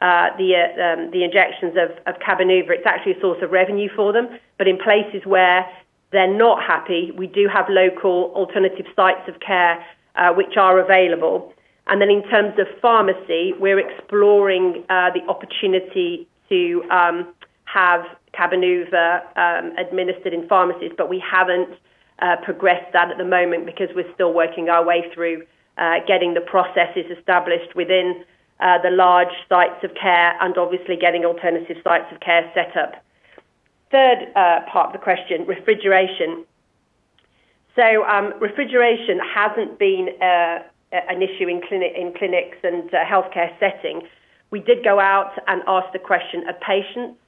the injections of Cabenuva. It's actually a source of revenue for them. In places where they're not happy, we do have local alternative sites of care, which are available. In terms of pharmacy, we're exploring the opportunity to have Cabenuva administered in pharmacies. We haven't progressed that at the moment because we're still working our way through getting the processes established within the large sites of care and obviously getting alternative sites of care set up. Third part of the question, refrigeration hasn't been an issue in clinics and healthcare settings. We did go out and ask the question of patients,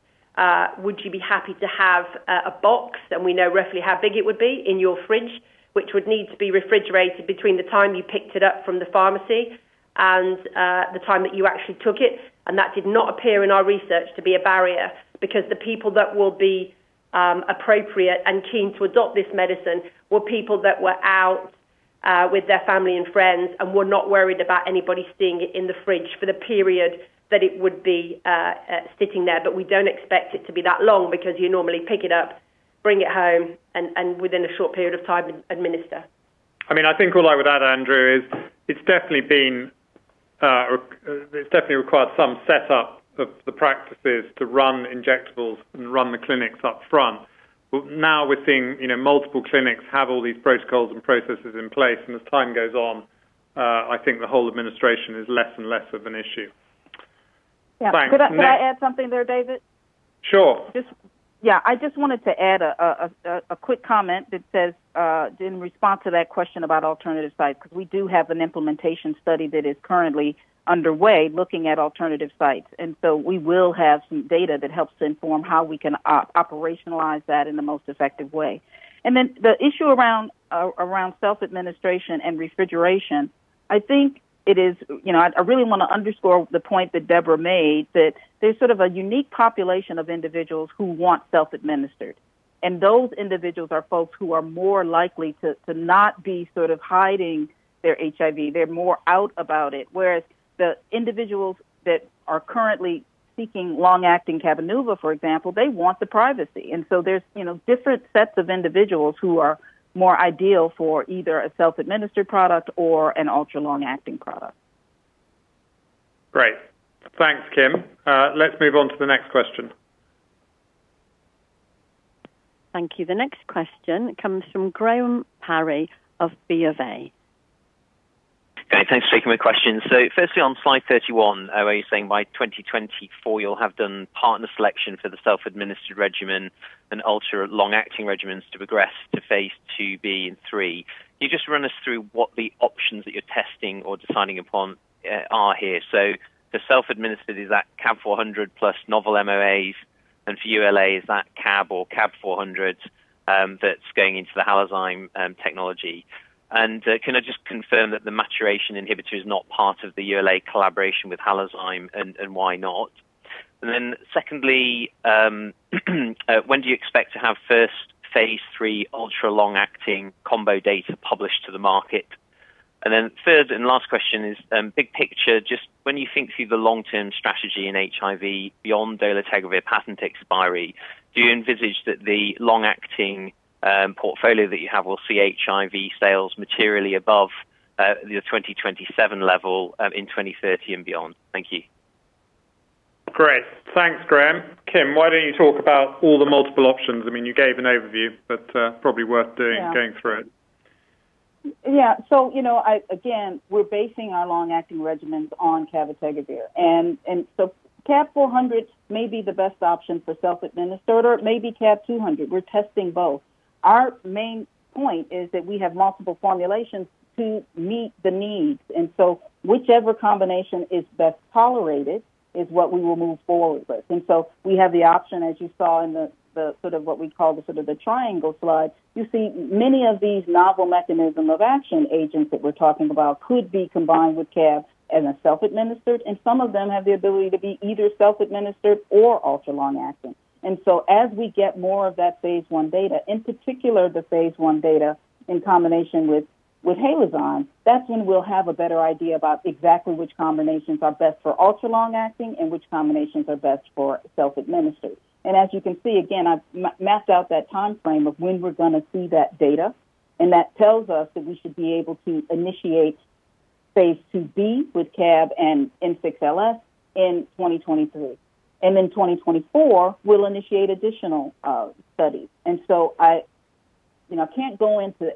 "Would you be happy to have a box?" We know roughly how big it would be in your fridge, which would need to be refrigerated between the time you picked it up from the pharmacy and the time that you actually took it. That did not appear in our research to be a barrier because the people that will be appropriate and keen to adopt this medicine were people that were out with their family and friends and were not worried about anybody seeing it in the fridge for the period that it would be sitting there. We don't expect it to be that long because you normally pick it up, bring it home, and within a short period of time, administer. I mean, I think all I would add, Andrew, is it's definitely required some setup of the practices to run injectables and run the clinics up front. But now we're seeing, multiple clinics have all these protocols and processes in place, and as time goes on, I think the whole administration is less and less of an issue. Could I add something there, David? Sure. I just wanted to add a quick comment that says in response to that question about alternative sites, 'cause we do have an implementation study that is currently underway looking at alternative sites. We will have some data that helps to inform how we can operationalize that in the most effective way. Then the issue around self-administration and refrigeration, I think it is, I really wanna underscore the point that Deborah made that there's sort of a unique population of individuals who want self-administered. Those individuals are folks who are more likely to not be sort of hiding their HIV. They're more out about it. Whereas the individuals that are currently seeking long-acting Cabenuva, for example, they want the privacy. There's different sets of individuals who are more ideal for either a self-administered product or an ultra-long-acting product. Great. Thanks, Kim. Let's move on to the next question. Thank you. The next question comes from Graham Parry of BofA. Okay, thanks for taking my question. Firstly on slide 31, are you saying by 2024 you'll have done partner selection for the self-administered regimen and ultra-long-acting regimens to progress to phase II-B and III? Can you just run us through what the options that you're testing or deciding upon are here. The self-administered is at CAB 400 plus novel MOAs, and for ULA is that CAB or CAB 400, that's going into the Halozyme technology. Can I just confirm that the maturation inhibitor is not part of the ULA collaboration with Halozyme, and why not? Secondly, when do you expect to have first phase III ultra-long-acting combo data published to the market? Third and last question is, big picture. Just when you think through the long-term strategy in HIV beyond dolutegravir patent expiry, do you envisage that the long-acting portfolio that you have will see HIV sales materially above the 2027 level in 2030 and beyond? Thank you. Great. Thanks, Graham. Kim, why don't you talk about all the multiple options? I mean, you gave an overview, but, probably worth doing. Going through it. Again, we're basing our long-acting regimens on cabotegravir. CAB 400 may be the best option for self-administered, or it may be CAB 200. We're testing both. Our main point is that we have multiple formulations to meet the needs. Whichever combination is best tolerated is what we will move forward with. We have the option, as you saw in the sort of what we call the triangle slide. You see many of these novel mechanism of action agents that we're talking about could be combined with CAB as a self-administered, and some of them have the ability to be either self-administered or ultra-long-acting. As we get more of that phase I data, in particular, the phase I data in combination with Halozyme, that's when we'll have a better idea about exactly which combinations are best for ultra-long-acting and which combinations are best for self-administered. As you can see, again, I've mapped out that timeframe of when we're gonna see that data, and that tells us that we should be able to initiate phase IIb with CAB and N6LS in 2023. In 2024, we'll initiate additional studies. I, can't go into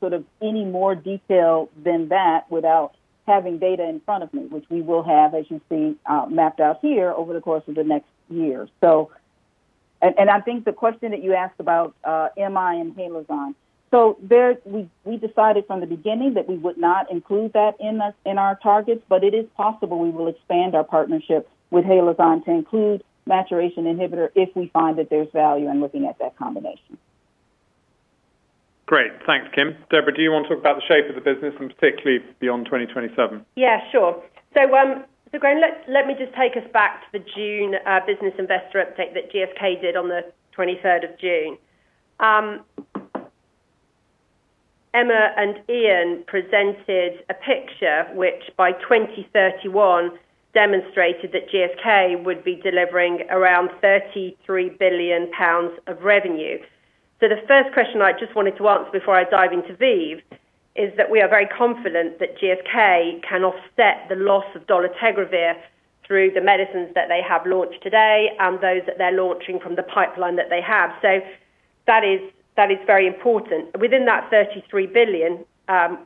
sort of any more detail than that without having data in front of me, which we will have, as you see, mapped out here over the course of the next year. I think the question that you asked about MI and Halozyme. We decided from the beginning that we would not include that in our targets, but it is possible we will expand our partnership with Halozyme to include maturation inhibitor if we find that there's value in looking at that combination. Great. Thanks, Kim. Deborah, do you want to talk about the shape of the business and particularly beyond 2027? Sure. Graham, let me just take us back to the June business investor update that GSK did on the 23rd of June. Emma and Ian presented a picture which by 2031 demonstrated that GSK would be delivering around 33 billion pounds of revenue. The first question I just wanted to answer before I dive into ViiV is that we are very confident that GSK can offset the loss of dolutegravir through the medicines that they have launched today and those that they're launching from the pipeline that they have. That is very important. Within that 33 billion,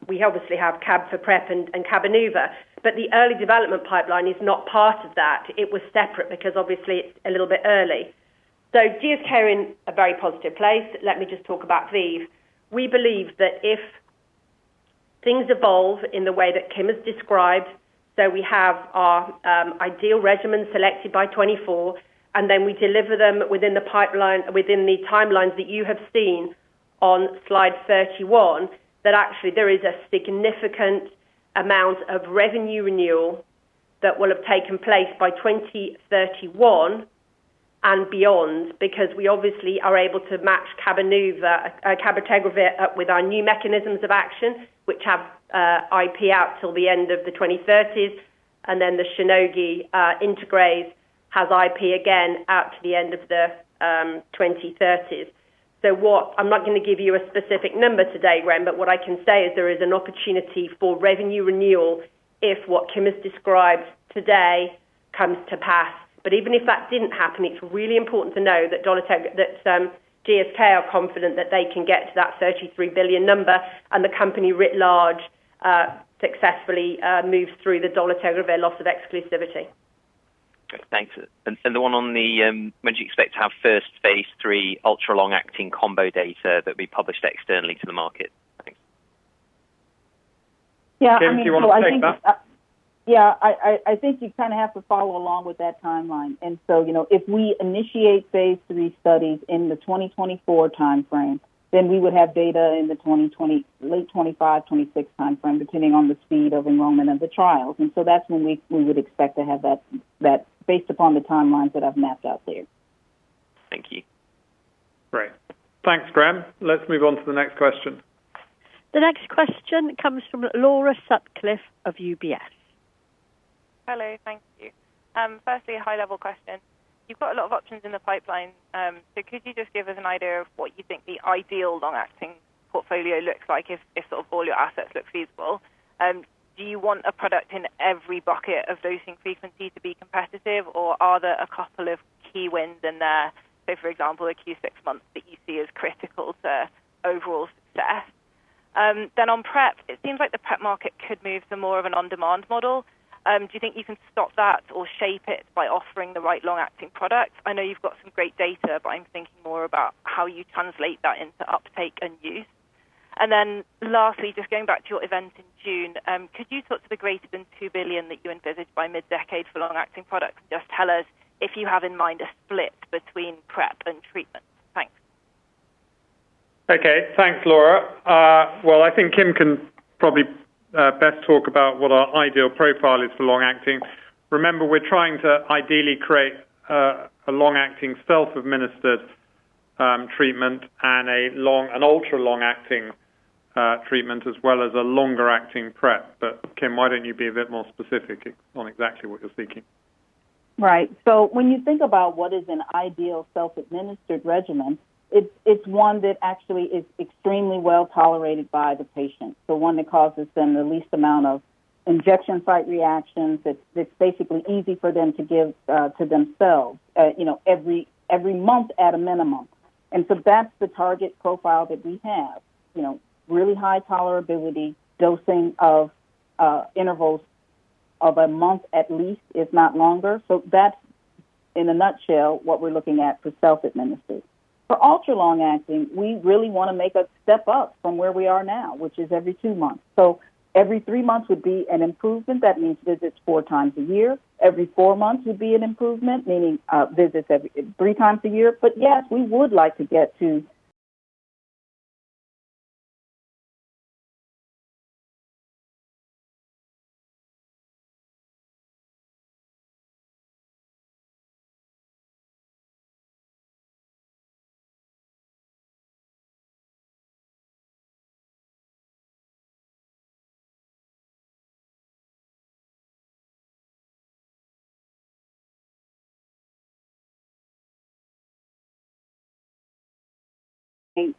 we obviously have CAB for PrEP and Cabenuva, but the early development pipeline is not part of that. It was separate because obviously it's a little bit early. GSK are in a very positive place. Let me just talk about ViiV. We believe that if things evolve in the way that Kim has described, so we have our ideal regimen selected by 2024, and then we deliver them within the timelines that you have seen on slide 31, that actually there is a significant amount of revenue renewal that will have taken place by 2031 and beyond because we obviously are able to match Cabenuva, cabotegravir, with our new mechanisms of action, which have IP out till the end of the 2030s, and then the Shionogi integrase has IP again out to the end of the 2030s. I'm not gonna give you a specific number today, Graham, but what I can say is there is an opportunity for revenue renewal if what Kim has described today comes to pass. Even if that didn't happen, it's really important to know that dolutegravir—that GSK are confident that they can get to that 33 billion number and the company writ large successfully moves through the dolutegravir loss of exclusivity. Thanks. The one on the when do you expect to have first phase III ultra-long acting combo data that'll be published externally to the market? Thanks. I mean, I think- Kim, do you want to take that? I think you kind of have to follow along with that timeline. if we initiate phase III studies in the 2024 timeframe, then we would have data in the late 2025-2026 timeframe, depending on the speed of enrollment of the trials. That's when we would expect to have that based upon the timelines that I've mapped out there. Thank you. Great. Thanks, Graham. Let's move on to the next question. The next question comes from Laura Sutcliffe of UBS. Hello. Thank you. Firstly, a high-level question. You've got a lot of options in the pipeline, so could you just give us an idea of what you think the ideal long-acting portfolio looks like if, sort of, all your assets look feasible? Do you want a product in every bucket of dosing frequency to be competitive, or are there a couple of key wins in there, say, for example, a Q6 month that you see as critical to overall success? Then, on PrEP, it seems like the PrEP market could move to more of an on-demand model. Do you think you can stop that or shape it by offering the right long-acting product? I know you've got some great data, but I'm thinking more about how you translate that into uptake and use. Lastly, just going back to your event in June, could you talk to the greater than 2 billion that you envisaged by mid-decade for long-acting products? Just tell us if you have in mind a split between PrEP and treatment. Thanks. Okay. Thanks, Laura. Well, I think Kim can probably best talk about what our ideal profile is for long-acting. Remember, we're trying to ideally create a long-acting self-administered treatment and an ultra-long acting treatment as well as a longer-acting PrEP. Kim, why don't you be a bit more specific on exactly what you're thinking? Right. When you think about what is an ideal self-administered regimen, it's one that actually is extremely well tolerated by the patient. One that causes them the least amount of injection site reactions. It's basically easy for them to give to themselves, every month at a minimum. That's the target profile that we have. really high tolerability, dosing of intervals of a month at least, if not longer. That's in a nutshell what we're looking at for self-administered. For ultra-long acting, we really wanna make a step up from where we are now, which is every 2 months. Every 3 months would be an improvement. That means visits 4 times a year. Every 4 months would be an improvement, meaning visits every 3 times a year. Yes, we would like to get to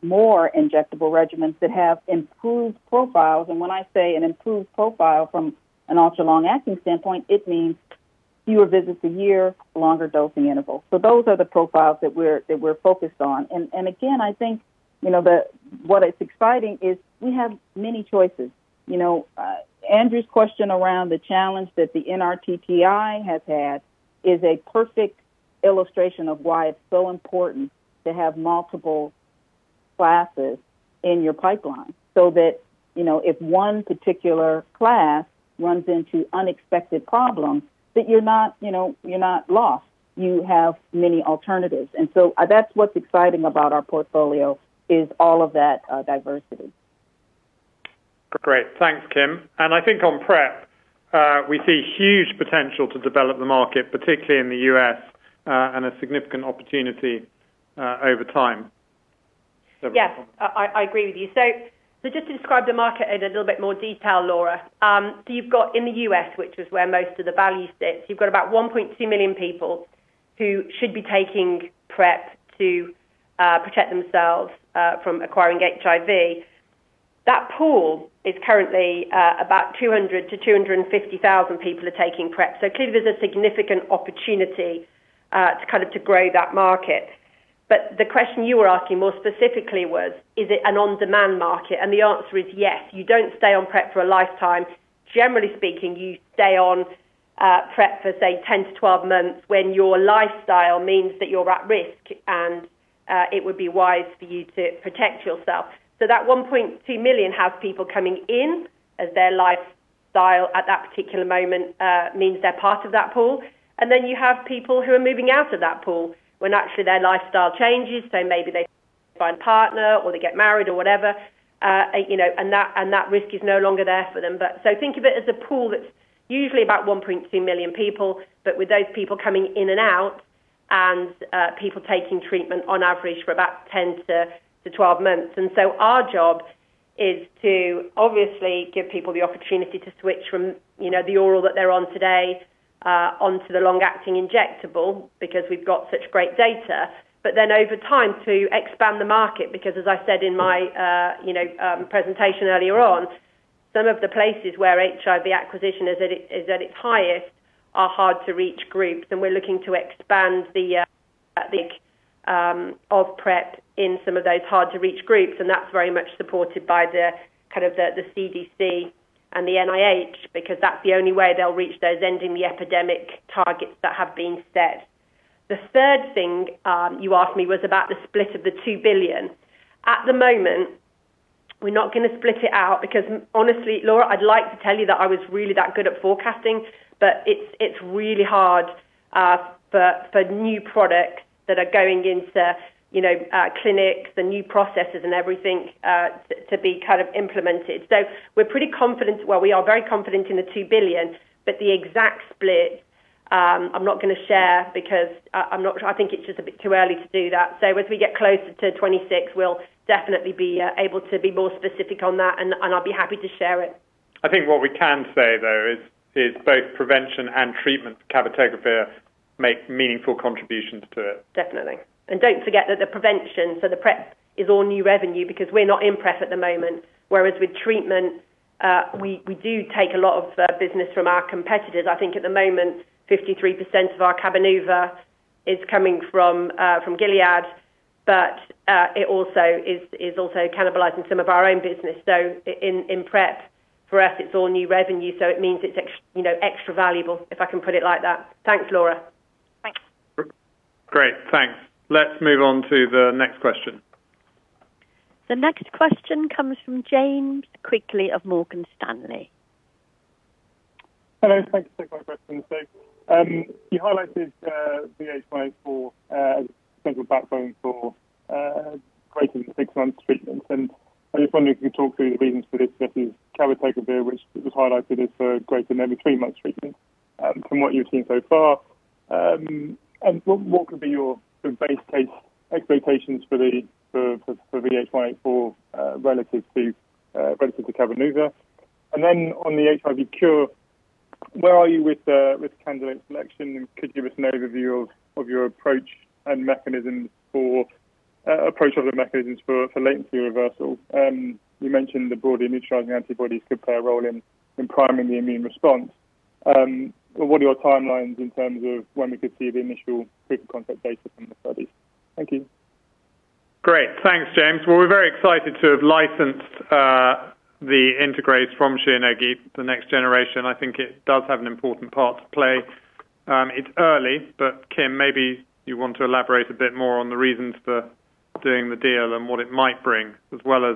more injectable regimens that have improved profiles. When I say an improved profile from an ultra-long acting standpoint, it means fewer visits a year, longer dosing intervals. Those are the profiles that we're focused on. Again, I think, what is exciting is we have many choices. Andrew's question around the challenge that the NRTTI has had is a perfect illustration of why it's so important to have multiple classes in your pipeline so that, if one particular class runs into unexpected problems, that you're not lost. You have many alternatives. That's what's exciting about our portfolio, is all of that diversity. Great. Thanks, Kim. I think on PrEP, we see huge potential to develop the market, particularly in the U.S., and a significant opportunity, over time. Yes. I agree with you. Just to describe the market in a little bit more detail, Laura. You've got in the U.S., which is where most of the value sits, you've got about 1.2 million people who should be taking PrEP to protect themselves from acquiring HIV. That pool is currently about 200,000-250,000 people are taking PrEP. Clearly there's a significant opportunity to kind of grow that market. The question you were asking more specifically was, is it an on-demand market? The answer is yes. You don't stay on PrEP for a lifetime. Generally speaking, you stay on PrEP for say, 10-12 months when your lifestyle means that you're at risk and it would be wise for you to protect yourself. That 1.2 million have people coming in as their lifestyle at that particular moment means they're part of that pool. Then you have people who are moving out of that pool when actually their lifestyle changes. Maybe they find a partner or they get married or whatever, and that risk is no longer there for them. Think of it as a pool that's usually about 1.2 million people. With those people coming in and out and people taking treatment on average for about 10-12 months. Our job is to obviously give people the opportunity to switch from, the oral that they're on today onto the long-acting injectable because we've got such great data. over time to expand the market because as I said in my, presentation earlier on. Some of the places where HIV acquisition is at its highest are hard to reach groups, and we're looking to expand the use of PrEP in some of those hard to reach groups, and that's very much supported by the CDC and the NIH because that's the only way they'll reach those ending the epidemic targets that have been set. The third thing you asked me was about the split of the 2 billion. At the moment, we're not gonna split it out because honestly, Laura, I'd like to tell you that I was really that good at forecasting, but it's really hard for new products that are going into you know clinics, the new processes and everything to be kind of implemented. We're pretty confident. Well, we are very confident in the 2 billion, but the exact split, I'm not gonna share because I'm not sure. I think it's just a bit too early to do that. As we get closer to 2026, we'll definitely be able to be more specific on that and I'll be happy to share it. I think what we can say, though, is both prevention and treatment cabotegravir make meaningful contributions to it. Definitely. Don't forget that the prevention, so the PrEP, is all new revenue because we're not in PrEP at the moment, whereas with treatment, we do take a lot of business from our competitors. I think at the moment, 53% of our Cabenuva is coming from Gilead, but it also is also cannibalizing some of our own business. In PrEP, for us, it's all new revenue, so it means it's extra valuable, if I can put it like that. Thanks, Laura. Great. Thanks. Let's move on to the next question. The next question comes from James Quigley of Morgan Stanley. Hello. Thank you for taking my question, sir. You highlighted VH184 central backbone for greater than 6 months treatment. I just wonder if you could talk through the reasons for this versus cabotegravir, which was highlighted as for greater than every 3 months treatment, from what you've seen so far. What could be your sort of base case expectations for VH184 relative to Cabenuva? On the HIV cure, where are you with candidate selection? Could you give us an overview of your approach and mechanisms for latency reversal? You mentioned the broadly neutralizing antibodies could play a role in priming the immune response. What are your timelines in terms of when we could see the initial proof of concept data from the studies? Thank you. Great. Thanks, James. Well, we're very excited to have licensed the integrase from Shionogi, the next generation. I think it does have an important part to play. It's early, but Kim, maybe you want to elaborate a bit more on the reasons for doing the deal and what it might bring, as well as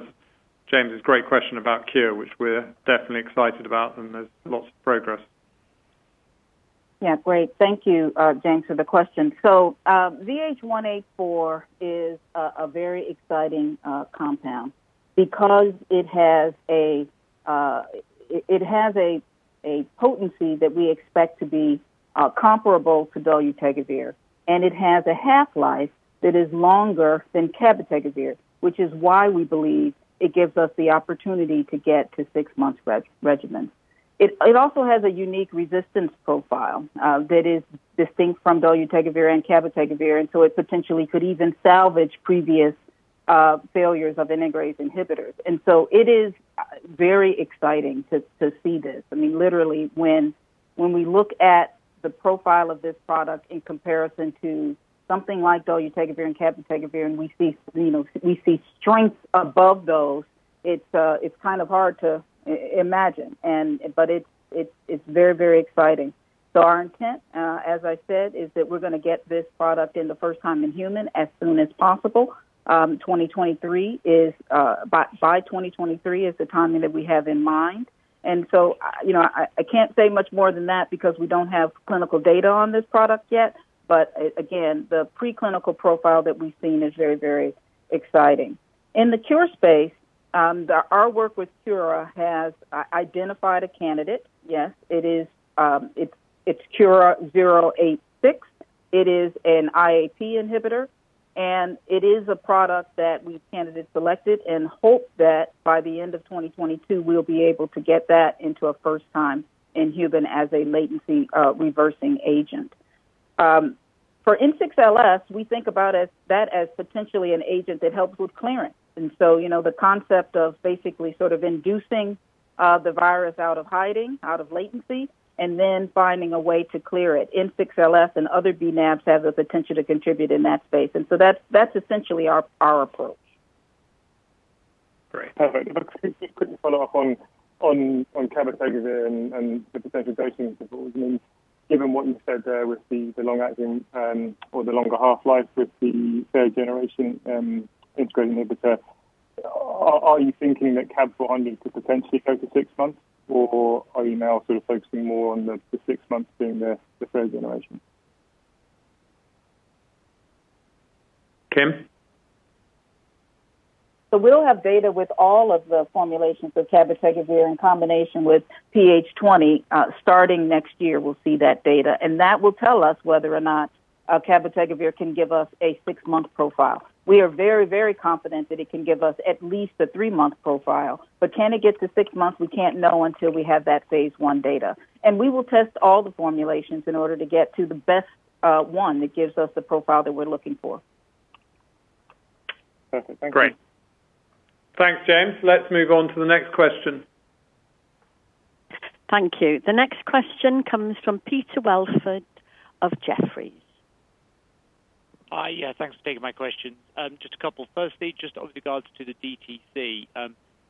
James' great question about cure, which we're definitely excited about, and there's lots of progress. Great. Thank you, James, for the question. VH184 is a very exciting compound because it has a potency that we expect to be comparable to dolutegravir, and it has a half-life that is longer than cabotegravir, which is why we believe it gives us the opportunity to get to six months regimen. It also has a unique resistance profile that is distinct from dolutegravir and cabotegravir, so it potentially could even salvage previous failures of integrase inhibitors. It is very exciting to see this. I mean, literally when we look at the profile of this product in comparison to something like dolutegravir and cabotegravir, and we see, strengths above those, it's kind of hard to imagine and It's very, very exciting. Our intent, as I said, is that we're gonna get this product in the first time in human as soon as possible. 2023 is by 2023 the timing that we have in mind. I can't say much more than that because we don't have clinical data on this product yet. But again, the preclinical profile that we've seen is very, very exciting. In the cure space, our work with Qura has identified a candidate. Yes, it is, it's QURA-086. It is an IAP inhibitor, and it is a product that we've candidate selected and hope that by the end of 2022, we'll be able to get that into a first time in human as a latency reversing agent. For N6LS, we think about it as potentially an agent that helps with clearance. the concept of basically sort of inducing the virus out of hiding, out of latency, and then finding a way to clear it. N6LS and other bNAbs have the potential to contribute in that space. That's essentially our approach. Great. Perfect. If I could follow up on cabotegravir and the potential dosing schedules. I mean, given what you said there with the long-acting or the longer half-life with the third generation integrase inhibitor, are you thinking that cab 400 could potentially go for six months or are you now sort of focusing more on the six months being the third generation? Kim? We'll have data with all of the formulations of cabotegravir in combination with PH20. Starting next year, we'll see that data, and that will tell us whether or not cabotegravir can give us a six-month profile. We are very, very confident that it can give us at least a three-month profile. But can it get to six months? We can't know until we have that phase I data. We will test all the formulations in order to get to the best one that gives us the profile that we're looking for. Perfect. Thank you. Great. Thanks, James. Let's move on to the next question. Thank you. The next question comes from Peter Welford of Jefferies. Hi. thanks for taking my question. Just a couple. Firstly, just with regards to the DTC.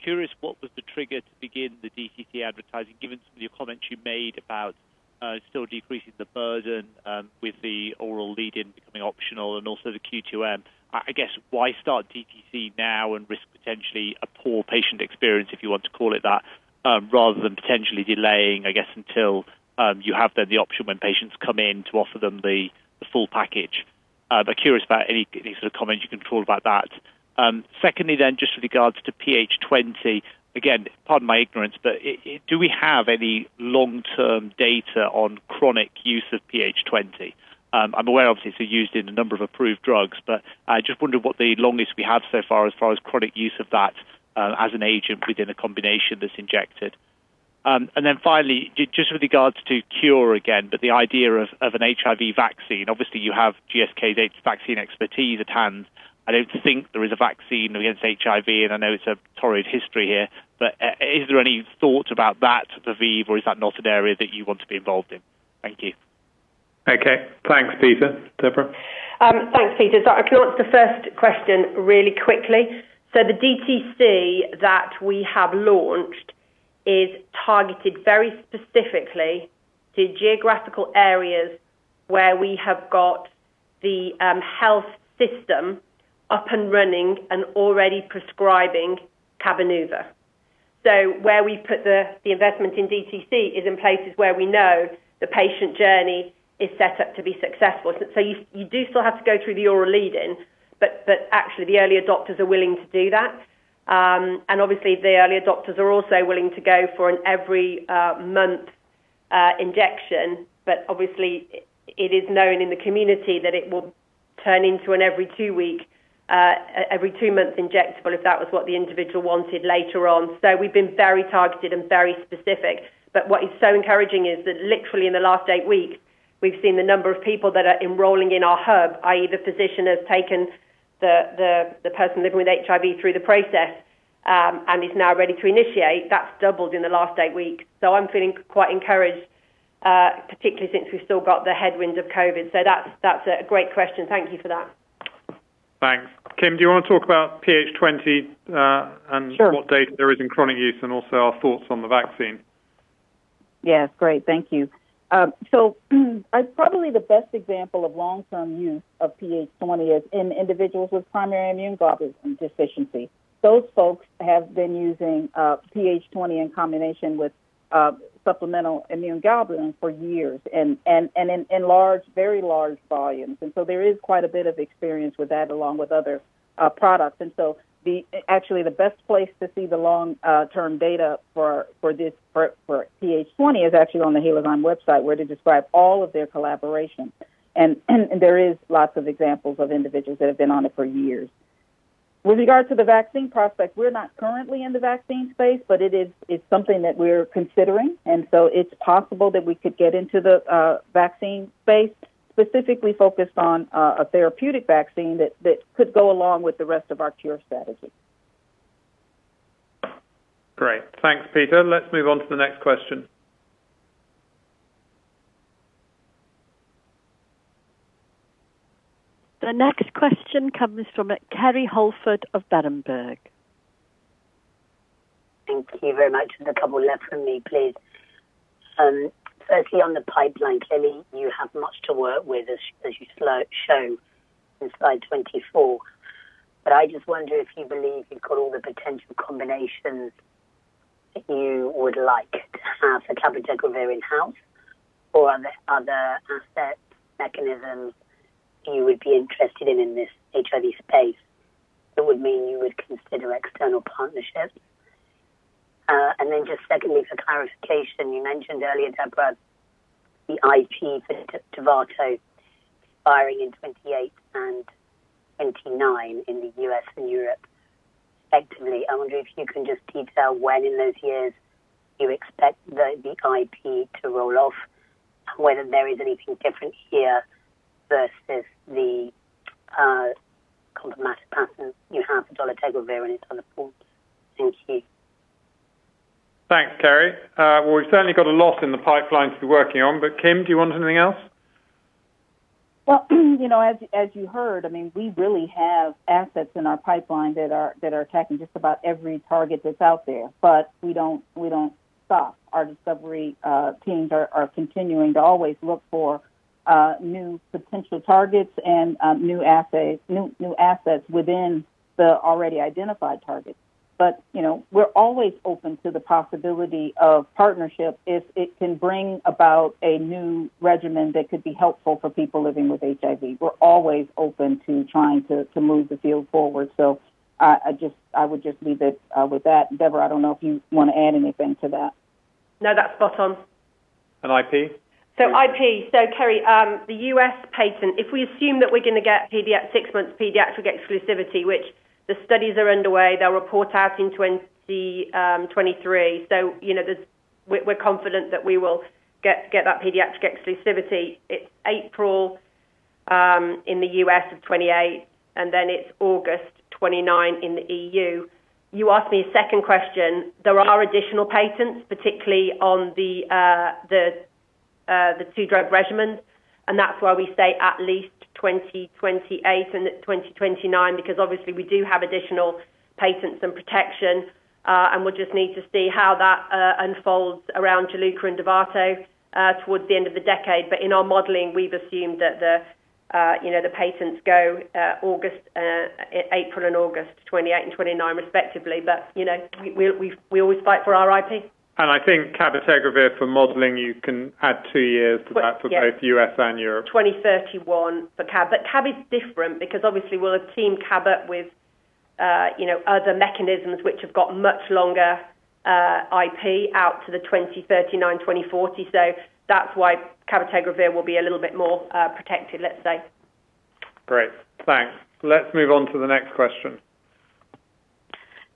Curious what was the trigger to begin the DTC advertising, given some of your comments you made about still decreasing the burden with the oral lead-in becoming optional and also the Q2M. I guess why start DTC now and risk potentially a poor patient experience, if you want to call it that, rather than potentially delaying, I guess, until you have the option when patients come in to offer them the full package. But curious about any sort of comments you can talk about that. Secondly, just with regards to PH20, again, pardon my ignorance, but do we have any long-term data on chronic use of PH20? I'm aware obviously it's used in a number of approved drugs, but I just wondered what the longest we have so far as far as chronic use of that as an agent within a combination that's injected. And then finally, just with regards to cure again, but the idea of an HIV vaccine, obviously you have GSK's vaccine expertise at hand. I don't think there is a vaccine against HIV, and I know it's a torrid history here, but is there any thought about that for ViiV, or is that not an area that you want to be involved in? Thank you. Okay. Thanks, Peter. Deborah. Thanks, Peter. I can answer the first question really quickly. The DTC that we have launched is targeted very specifically to geographical areas where we have got the health system up and running and already prescribing Cabenuva. Where we put the investment in DTC is in places where we know the patient journey is set up to be successful. You do still have to go through the oral lead-in, but actually the early adopters are willing to do that. Obviously the early adopters are also willing to go for an every month injection, but obviously it is known in the community that it will turn into an every two month injectable if that was what the individual wanted later on. We've been very targeted and very specific. What is so encouraging is that literally in the last eight weeks, we've seen the number of people that are enrolling in our hub, i.e. the physician has taken the person living with HIV through the process, and is now ready to initiate. That's doubled in the last eight weeks. I'm feeling quite encouraged, particularly since we've still got the headwind of COVID. That's a great question. Thank you for that. Thanks. Kim, do you wanna talk about PH20. Sure. What data there is in chronic use and also our thoughts on the vaccine? Yes. Great. Thank you. Probably the best example of long-term use of PH20 is in individuals with primary immune globulin deficiency. Those folks have been using PH20 in combination with supplemental immune globulin for years and in large, very large volumes. There is quite a bit of experience with that along with other products. Actually the best place to see the long-term data for this PH20 is actually on the Halozyme website, where they describe all of their collaboration. There is lots of examples of individuals that have been on it for years. With regard to the vaccine prospect, we're not currently in the vaccine space, but it's something that we're considering. It's possible that we could get into the vaccine space, specifically focused on a therapeutic vaccine that could go along with the rest of our cure strategy. Great. Thanks, Peter. Let's move on to the next question. The next question comes from Kerry Holford of Berenberg. Thank you very much. There's a couple left from me, please. Firstly on the pipeline, clearly you have much to work with as you've shown in slide 24. I just wonder if you believe you've got all the potential combinations you would like to have for cabotegravir in-house or are there other asset mechanisms you would be interested in in this HIV space that would mean you would consider external partnerships? Then just secondly for clarification, you mentioned earlier, Deborah, the IP for Tivicay expiring in 2028 and 2029 in the U.S. and Europe effectively. I wonder if you can just detail when in those years you expect the IP to roll off, whether there is anything different here versus the complementary patents you have for dolutegravir and its other forms. Thank you. Thanks, Kerry. Well, we've certainly got a lot in the pipeline to be working on. Kim, do you want anything else? Well, as you heard, I mean, we really have assets in our pipeline that are attacking just about every target that's out there. We don't stop. Our discovery teams are continuing to always look for new potential targets and new assays, new assets within the already identified targets. we're always open to the possibility of partnership if it can bring about a new regimen that could be helpful for people living with HIV. We're always open to trying to move the field forward. I would just leave it with that. Deborah, I don't know if you wanna add anything to that. No, that's spot on. IP? IP. Kerry, the U.S. patent, if we assume that we're gonna get six months pediatric exclusivity, which the studies are underway, they'll report out in 2023. we're confident that we will get that pediatric exclusivity. It's April in the U.S. of 2028, and then it's August 2029 in the EU. You asked me a second question. There are additional patents, particularly on the two drug regimens, and that's why we say at least 2028 and 2029, because obviously we do have additional patents and protection, and we'll just need to see how that unfolds around Gilead and Dovato towards the end of the decade. But in our modeling, we've assumed that the patents go April and August 2028 and 2029 respectively. we always fight for our IP. I think cabotegravir for modeling, you can add 2 years to that for both U.S. and Europe. 2031 for cab. Cab is different because obviously we'll have teamed cab up with, other mechanisms which have got much longer IP out to the 2039, 2040. That's why cabotegravir will be a little bit more protected, let's say. Great. Thanks. Let's move on to the next question.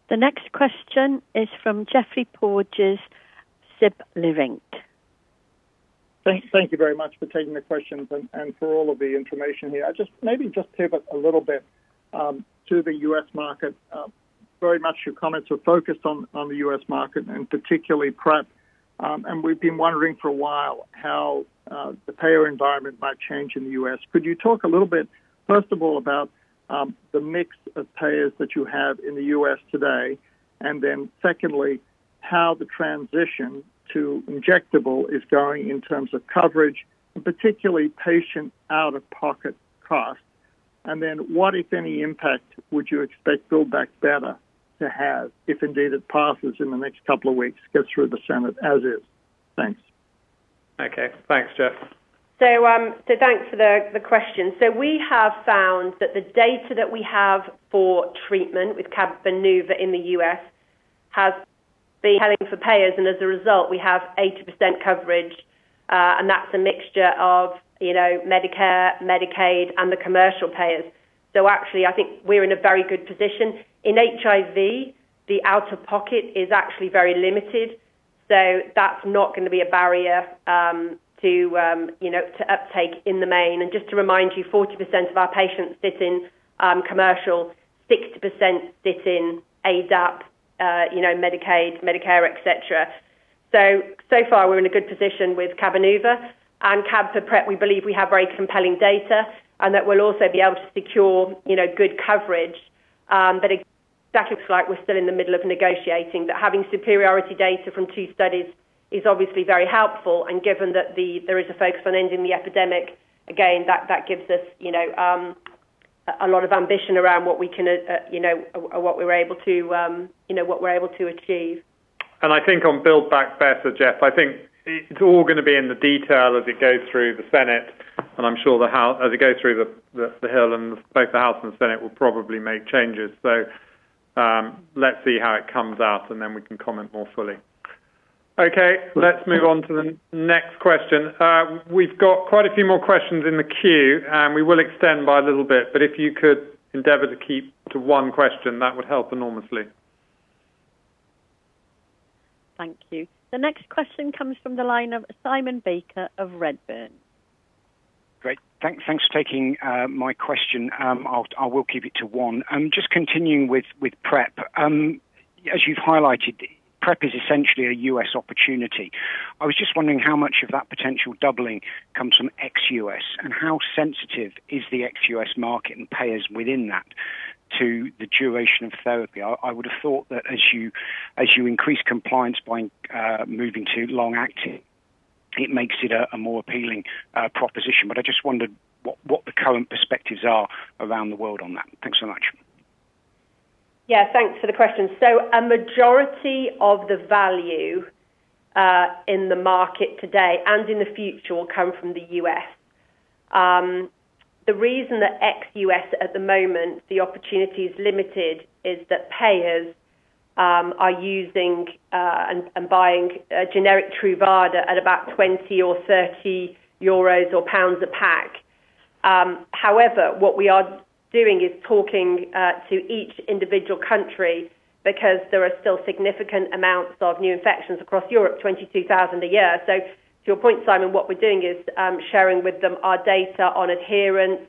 The next question is from Geoffrey Porges, SVB Leerink. Thank you very much for taking the questions and for all of the information here. Just maybe just pivot a little bit to the U.S. market. Very much your comments are focused on the U.S. market and particularly PrEP. We've been wondering for a while how the payer environment might change in the U.S. Could you talk a little bit, first of all, about the mix of payers that you have in the U.S. today, and then secondly, how the transition to injectable is going in terms of coverage, and particularly patient out-of-pocket costs. What, if any, impact would you expect Build Back Better to have, if indeed it passes in the next couple of weeks, gets through the Senate as is? Thanks. Okay. Thanks, Jeff. Thanks for the question. We have found that the data that we have for treatment with Cabenuva in the U.S. has been heading for payers, and as a result, we have 80% coverage. And that's a mixture of, Medicare, Medicaid, and the commercial payers. Actually, I think we're in a very good position. In HIV, the out-of-pocket is actually very limited, so that's not gonna be a barrier to, to uptake in the main. Just to remind you, 40% of our patients sit in commercial, 60% sit in ADAP, Medicaid, Medicare, et cetera. So far, we're in a good position with Cabenuva. Cab for PrEP, we believe we have very compelling data and that we'll also be able to secure, good coverage. That looks like we're still in the middle of negotiating. Having superiority data from two studies is obviously very helpful. Given that there is a focus on ending the epidemic, again, that gives us, a lot of ambition around what we can, what we're able to achieve. I think on Build Back Better, Jeff, I think it's all gonna be in the detail as it goes through the Senate, and I'm sure the House as it goes through the Hill and both the House and the Senate will probably make changes. Let's see how it comes out, and then we can comment more fully. Okay, let's move on to the next question. We've got quite a few more questions in the queue, and we will extend by a little bit. If you could endeavor to keep to one question, that would help enormously. Thank you. The next question comes from the line of Simon Baker of Redburn. Great. Thanks for taking my question. I will keep it to one. Just continuing with PrEP. As you've highlighted, PrEP is essentially a U.S. opportunity. I was just wondering how much of that potential doubling comes from ex-U.S., and how sensitive is the ex-U.S. market and payers within that to the duration of therapy? I would have thought that as you increase compliance by moving to long-acting, it makes it a more appealing proposition. I just wondered what the current perspectives are around the world on that. Thanks so much. Thanks for the question. A majority of the value in the market today and in the future will come from the U.S. The reason that ex-U.S. at the moment, the opportunity is limited is that payers are using and buying a generic Truvada at about 20 or 30 euros or GBP 30 a pack. However, what we are doing is talking to each individual country because there are still significant amounts of new infections across Europe, 22,000 a year. To your point, Simon, what we're doing is sharing with them our data on adherence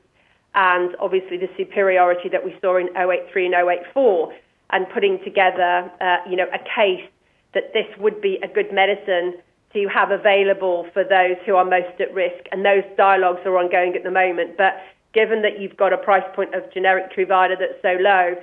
and obviously the superiority that we saw in HPTN 083 and HPTN 084, and putting together, a case that this would be a good medicine to have available for those who are most at risk, and those dialogues are ongoing at the moment. Given that you've got a price point of generic Truvada that's so low,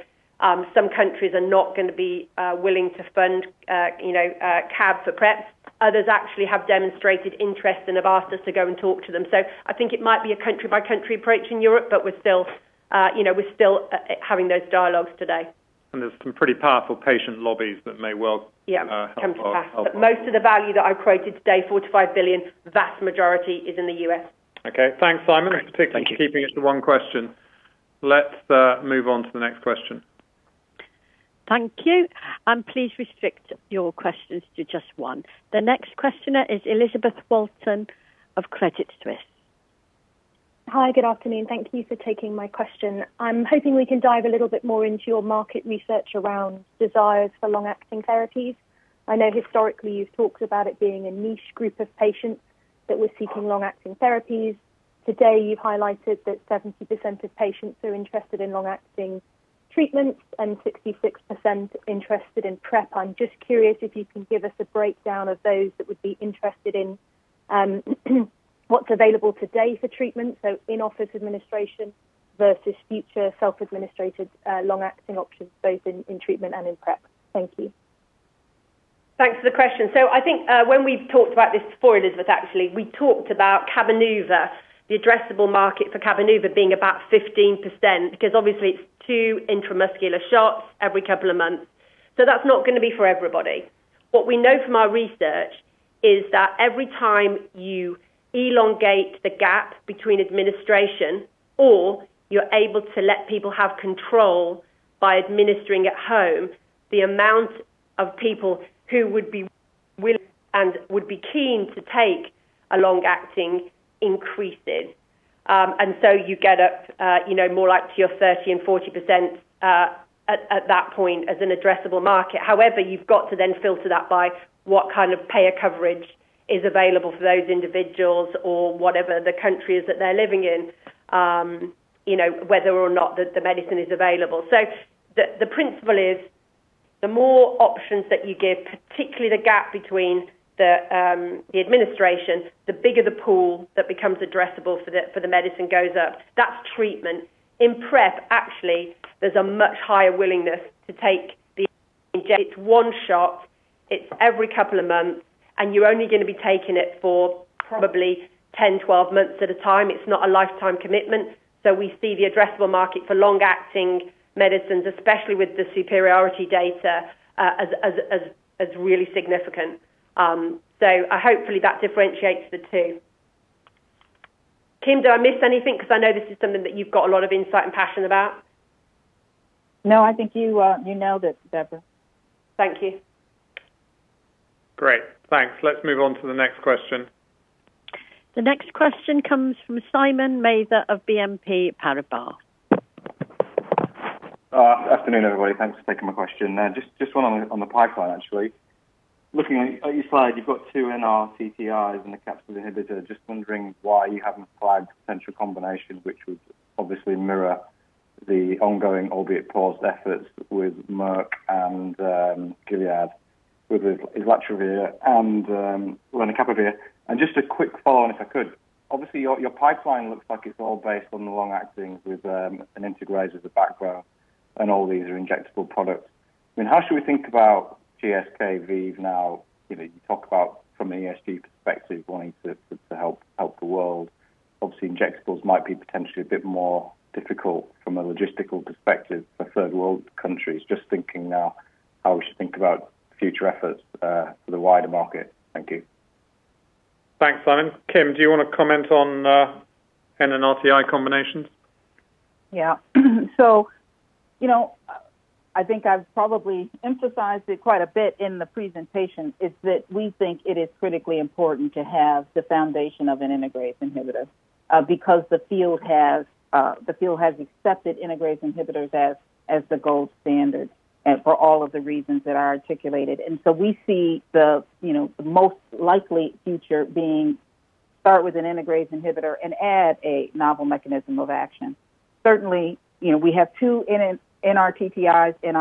some countries are not gonna be willing to fund, cab for PrEP. Others actually have demonstrated interest and have asked us to go and talk to them. I think it might be a country-by-country approach in Europe, but we're still, having those dialogues today. There's some pretty powerful patient lobbies that may well. Help us. Come to pass. Most of the value that I created today, $45 billion, vast majority is in the U.S. Okay. Thanks, Simon. Great. Thank you. Particularly for keeping it to one question. Let's move on to the next question. Thank you. Please restrict your questions to just one. The next questioner is Elizabeth Walton of Credit Suisse. Hi, good afternoon. Thank you for taking my question. I'm hoping we can dive a little bit more into your market research around desires for long-acting therapies. I know historically you've talked about it being a niche group of patients that were seeking long-acting therapies. Today, you've highlighted that 70% of patients are interested in long-acting treatments and 66% interested in PrEP. I'm just curious if you can give us a breakdown of those that would be interested in what's available today for treatment, in-office administration versus future self-administered long-acting options, both in treatment and in PrEP. Thank you. Thanks for the question. I think when we've talked about this before, Elizabeth, actually, we talked about Cabenuva, the addressable market for Cabenuva being about 15% because obviously it's two intramuscular shots every couple of months. That's not gonna be for everybody. What we know from our research is that every time you elongate the gap between administration or you're able to let people have control by administering at home, the amount of people who would be keen to take a long-acting increases. You get up, more like to your 30% and 40%, at that point as an addressable market. However, you've got to then filter that by what kind of payer coverage is available for those individuals or whatever the country is that they're living in, whether or not the medicine is available. The principle is the more options that you give, particularly the gap between the administration, the bigger the pool that becomes addressable for the medicine goes up. That's treatment. In PrEP, actually, there's a much higher willingness to take. It's one shot, it's every couple of months, and you're only gonna be taking it for probably 10, 12 months at a time. It's not a lifetime commitment. We see the addressable market for long-acting medicines, especially with the superiority data, as really significant. Hopefully that differentiates the two. Kim, did I miss anything? Because I know this is something that you've got a lot of insight and passion about. No, I think you nailed it, Deborah. Thank you. Great. Thanks. Let's move on to the next question. The next question comes from Simon Mather of BNP Paribas. Afternoon, everybody. Thanks for taking my question. Now just one on the pipeline, actually. Looking at your slide, you've got two NRTTIs and a capsid inhibitor. Just wondering why you haven't applied potential combinations, which would obviously mirror the ongoing, albeit paused efforts with Merck and Gilead with islatravir and lenacapavir. Just a quick follow-up, if I could. Obviously, your pipeline looks like it's all based on the long-acting with an integrase as a background, and all these are injectable products. I mean, how should we think about GSK ViiV now? you talk about from an ESG perspective, wanting to help the world. Obviously, injectables might be potentially a bit more difficult from a logistical perspective for third world countries. Just thinking now how we should think about future efforts for the wider market. Thank you. Thanks, Simon. Kim, do you wanna comment on NNRTI combinations? I think I've probably emphasized it quite a bit in the presentation is that we think it is critically important to have the foundation of an integrase inhibitor, because the field has accepted integrase inhibitors as the gold standard, for all of the reasons that I articulated. We see the, most likely future being start with an integrase inhibitor and add a novel mechanism of action. Certainly, we have two NRTTIs in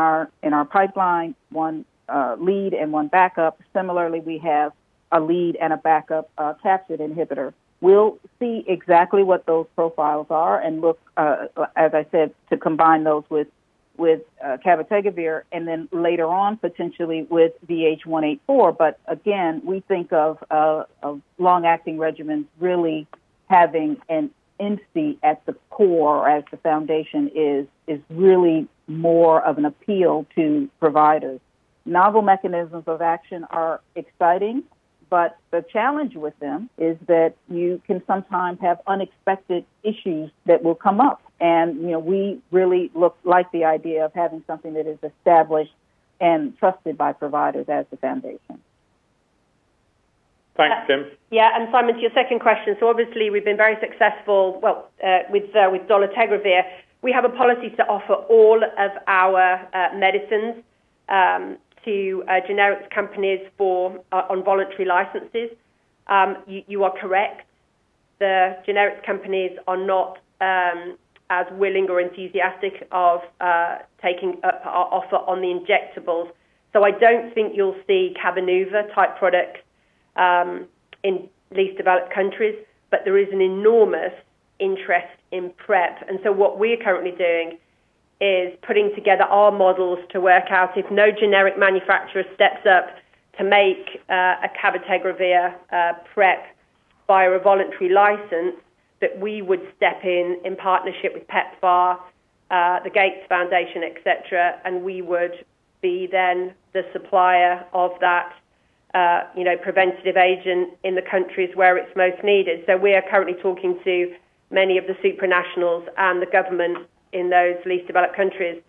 our pipeline, one lead and one backup. Similarly, we have a lead and a backup capsid inhibitor. We'll see exactly what those profiles are and look, as I said, to combine those with cabotegravir and then later on potentially with VH184. Again, we think of long-acting regimens really having an INSTI at the core as the foundation is really more of an appeal to providers. Novel mechanisms of action are exciting, but the challenge with them is that you can sometimes have unexpected issues that will come up. we really like the idea of having something that is established and trusted by providers as the foundation. Thanks, Kim. Simon, to your second question, obviously, we've been very successful with dolutegravir. We have a policy to offer all of our medicines to generics companies on voluntary licenses. You are correct. The generics companies are not as willing or enthusiastic of taking our offer on the injectables. I don't think you'll see Cabenuva-type products in least developed countries, but there is an enormous interest in PrEP. What we're currently doing is putting together our models to work out if no generic manufacturer steps up to make a cabotegravir PrEP via a voluntary license, that we would step in in partnership with PEPFAR, the Gates Foundation, et cetera, and we would be then the supplier of that, preventative agent in the countries where it's most needed. We are currently talking to many of the supranationals and the government in those least developed countries.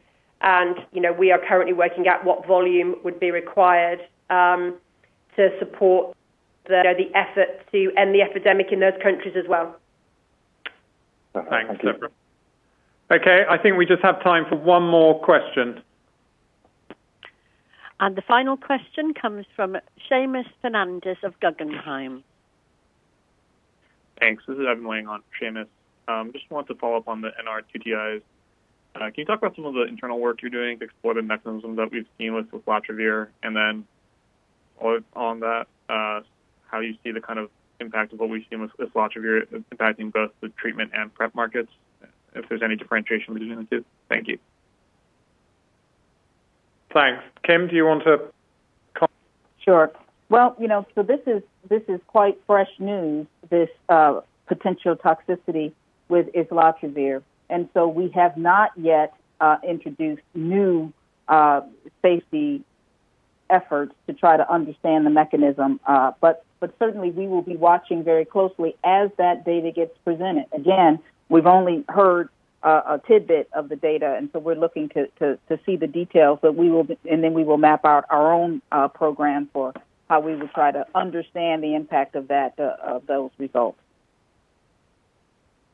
we are currently working out what volume would be required to support the effort to end the epidemic in those countries as well. Thanks, Deborah. Okay, I think we just have time for one more question. The final question comes from Seamus Fernandez of Guggenheim. Thanks. This is Evan Seigerman in on Seamus Fernandez. Just want to follow up on the NRTTIs. Can you talk about some of the internal work you're doing to explore the mechanisms that we've seen with islatravir, and then on that, how you see the kind of impact of what we've seen with islatravir impacting both the treatment and PrEP markets, if there's any differentiation between the two? Thank you. Thanks. Kim, do you want to com- Sure. Well, this is quite fresh news, this potential toxicity with islatravir, and we have not yet introduced new safety efforts to try to understand the mechanism. Certainly we will be watching very closely as that data gets presented. Again, we've only heard a tidbit of the data, and we're looking to see the details, but we will map out our own program for how we will try to understand the impact of those results.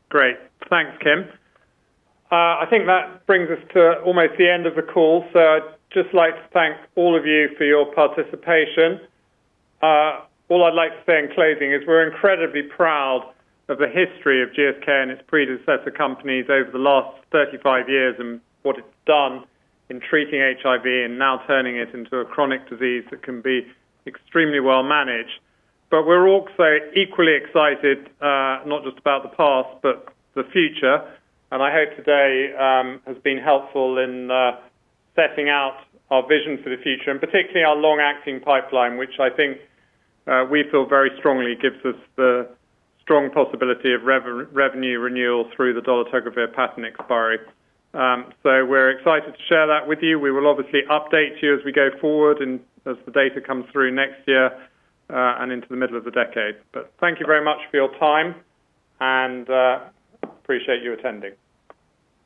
Great. Thanks, Kim. I think that brings us to almost the end of the call. I'd just like to thank all of you for your participation. All I'd like to say in closing is we're incredibly proud of the history of GSK and its predecessor companies over the last 35 years and what it's done in treating HIV and now turning it into a chronic disease that can be extremely well managed. We're also equally excited, not just about the past, but the future. I hope today has been helpful in setting out our vision for the future, and particularly our long-acting pipeline, which I think we feel very strongly gives us the strong possibility of revenue renewal through the dolutegravir patent expiry. We're excited to share that with you. We will obviously update you as we go forward and as the data comes through next year, and into the middle of the decade. Thank you very much for your time, and we appreciate you attending.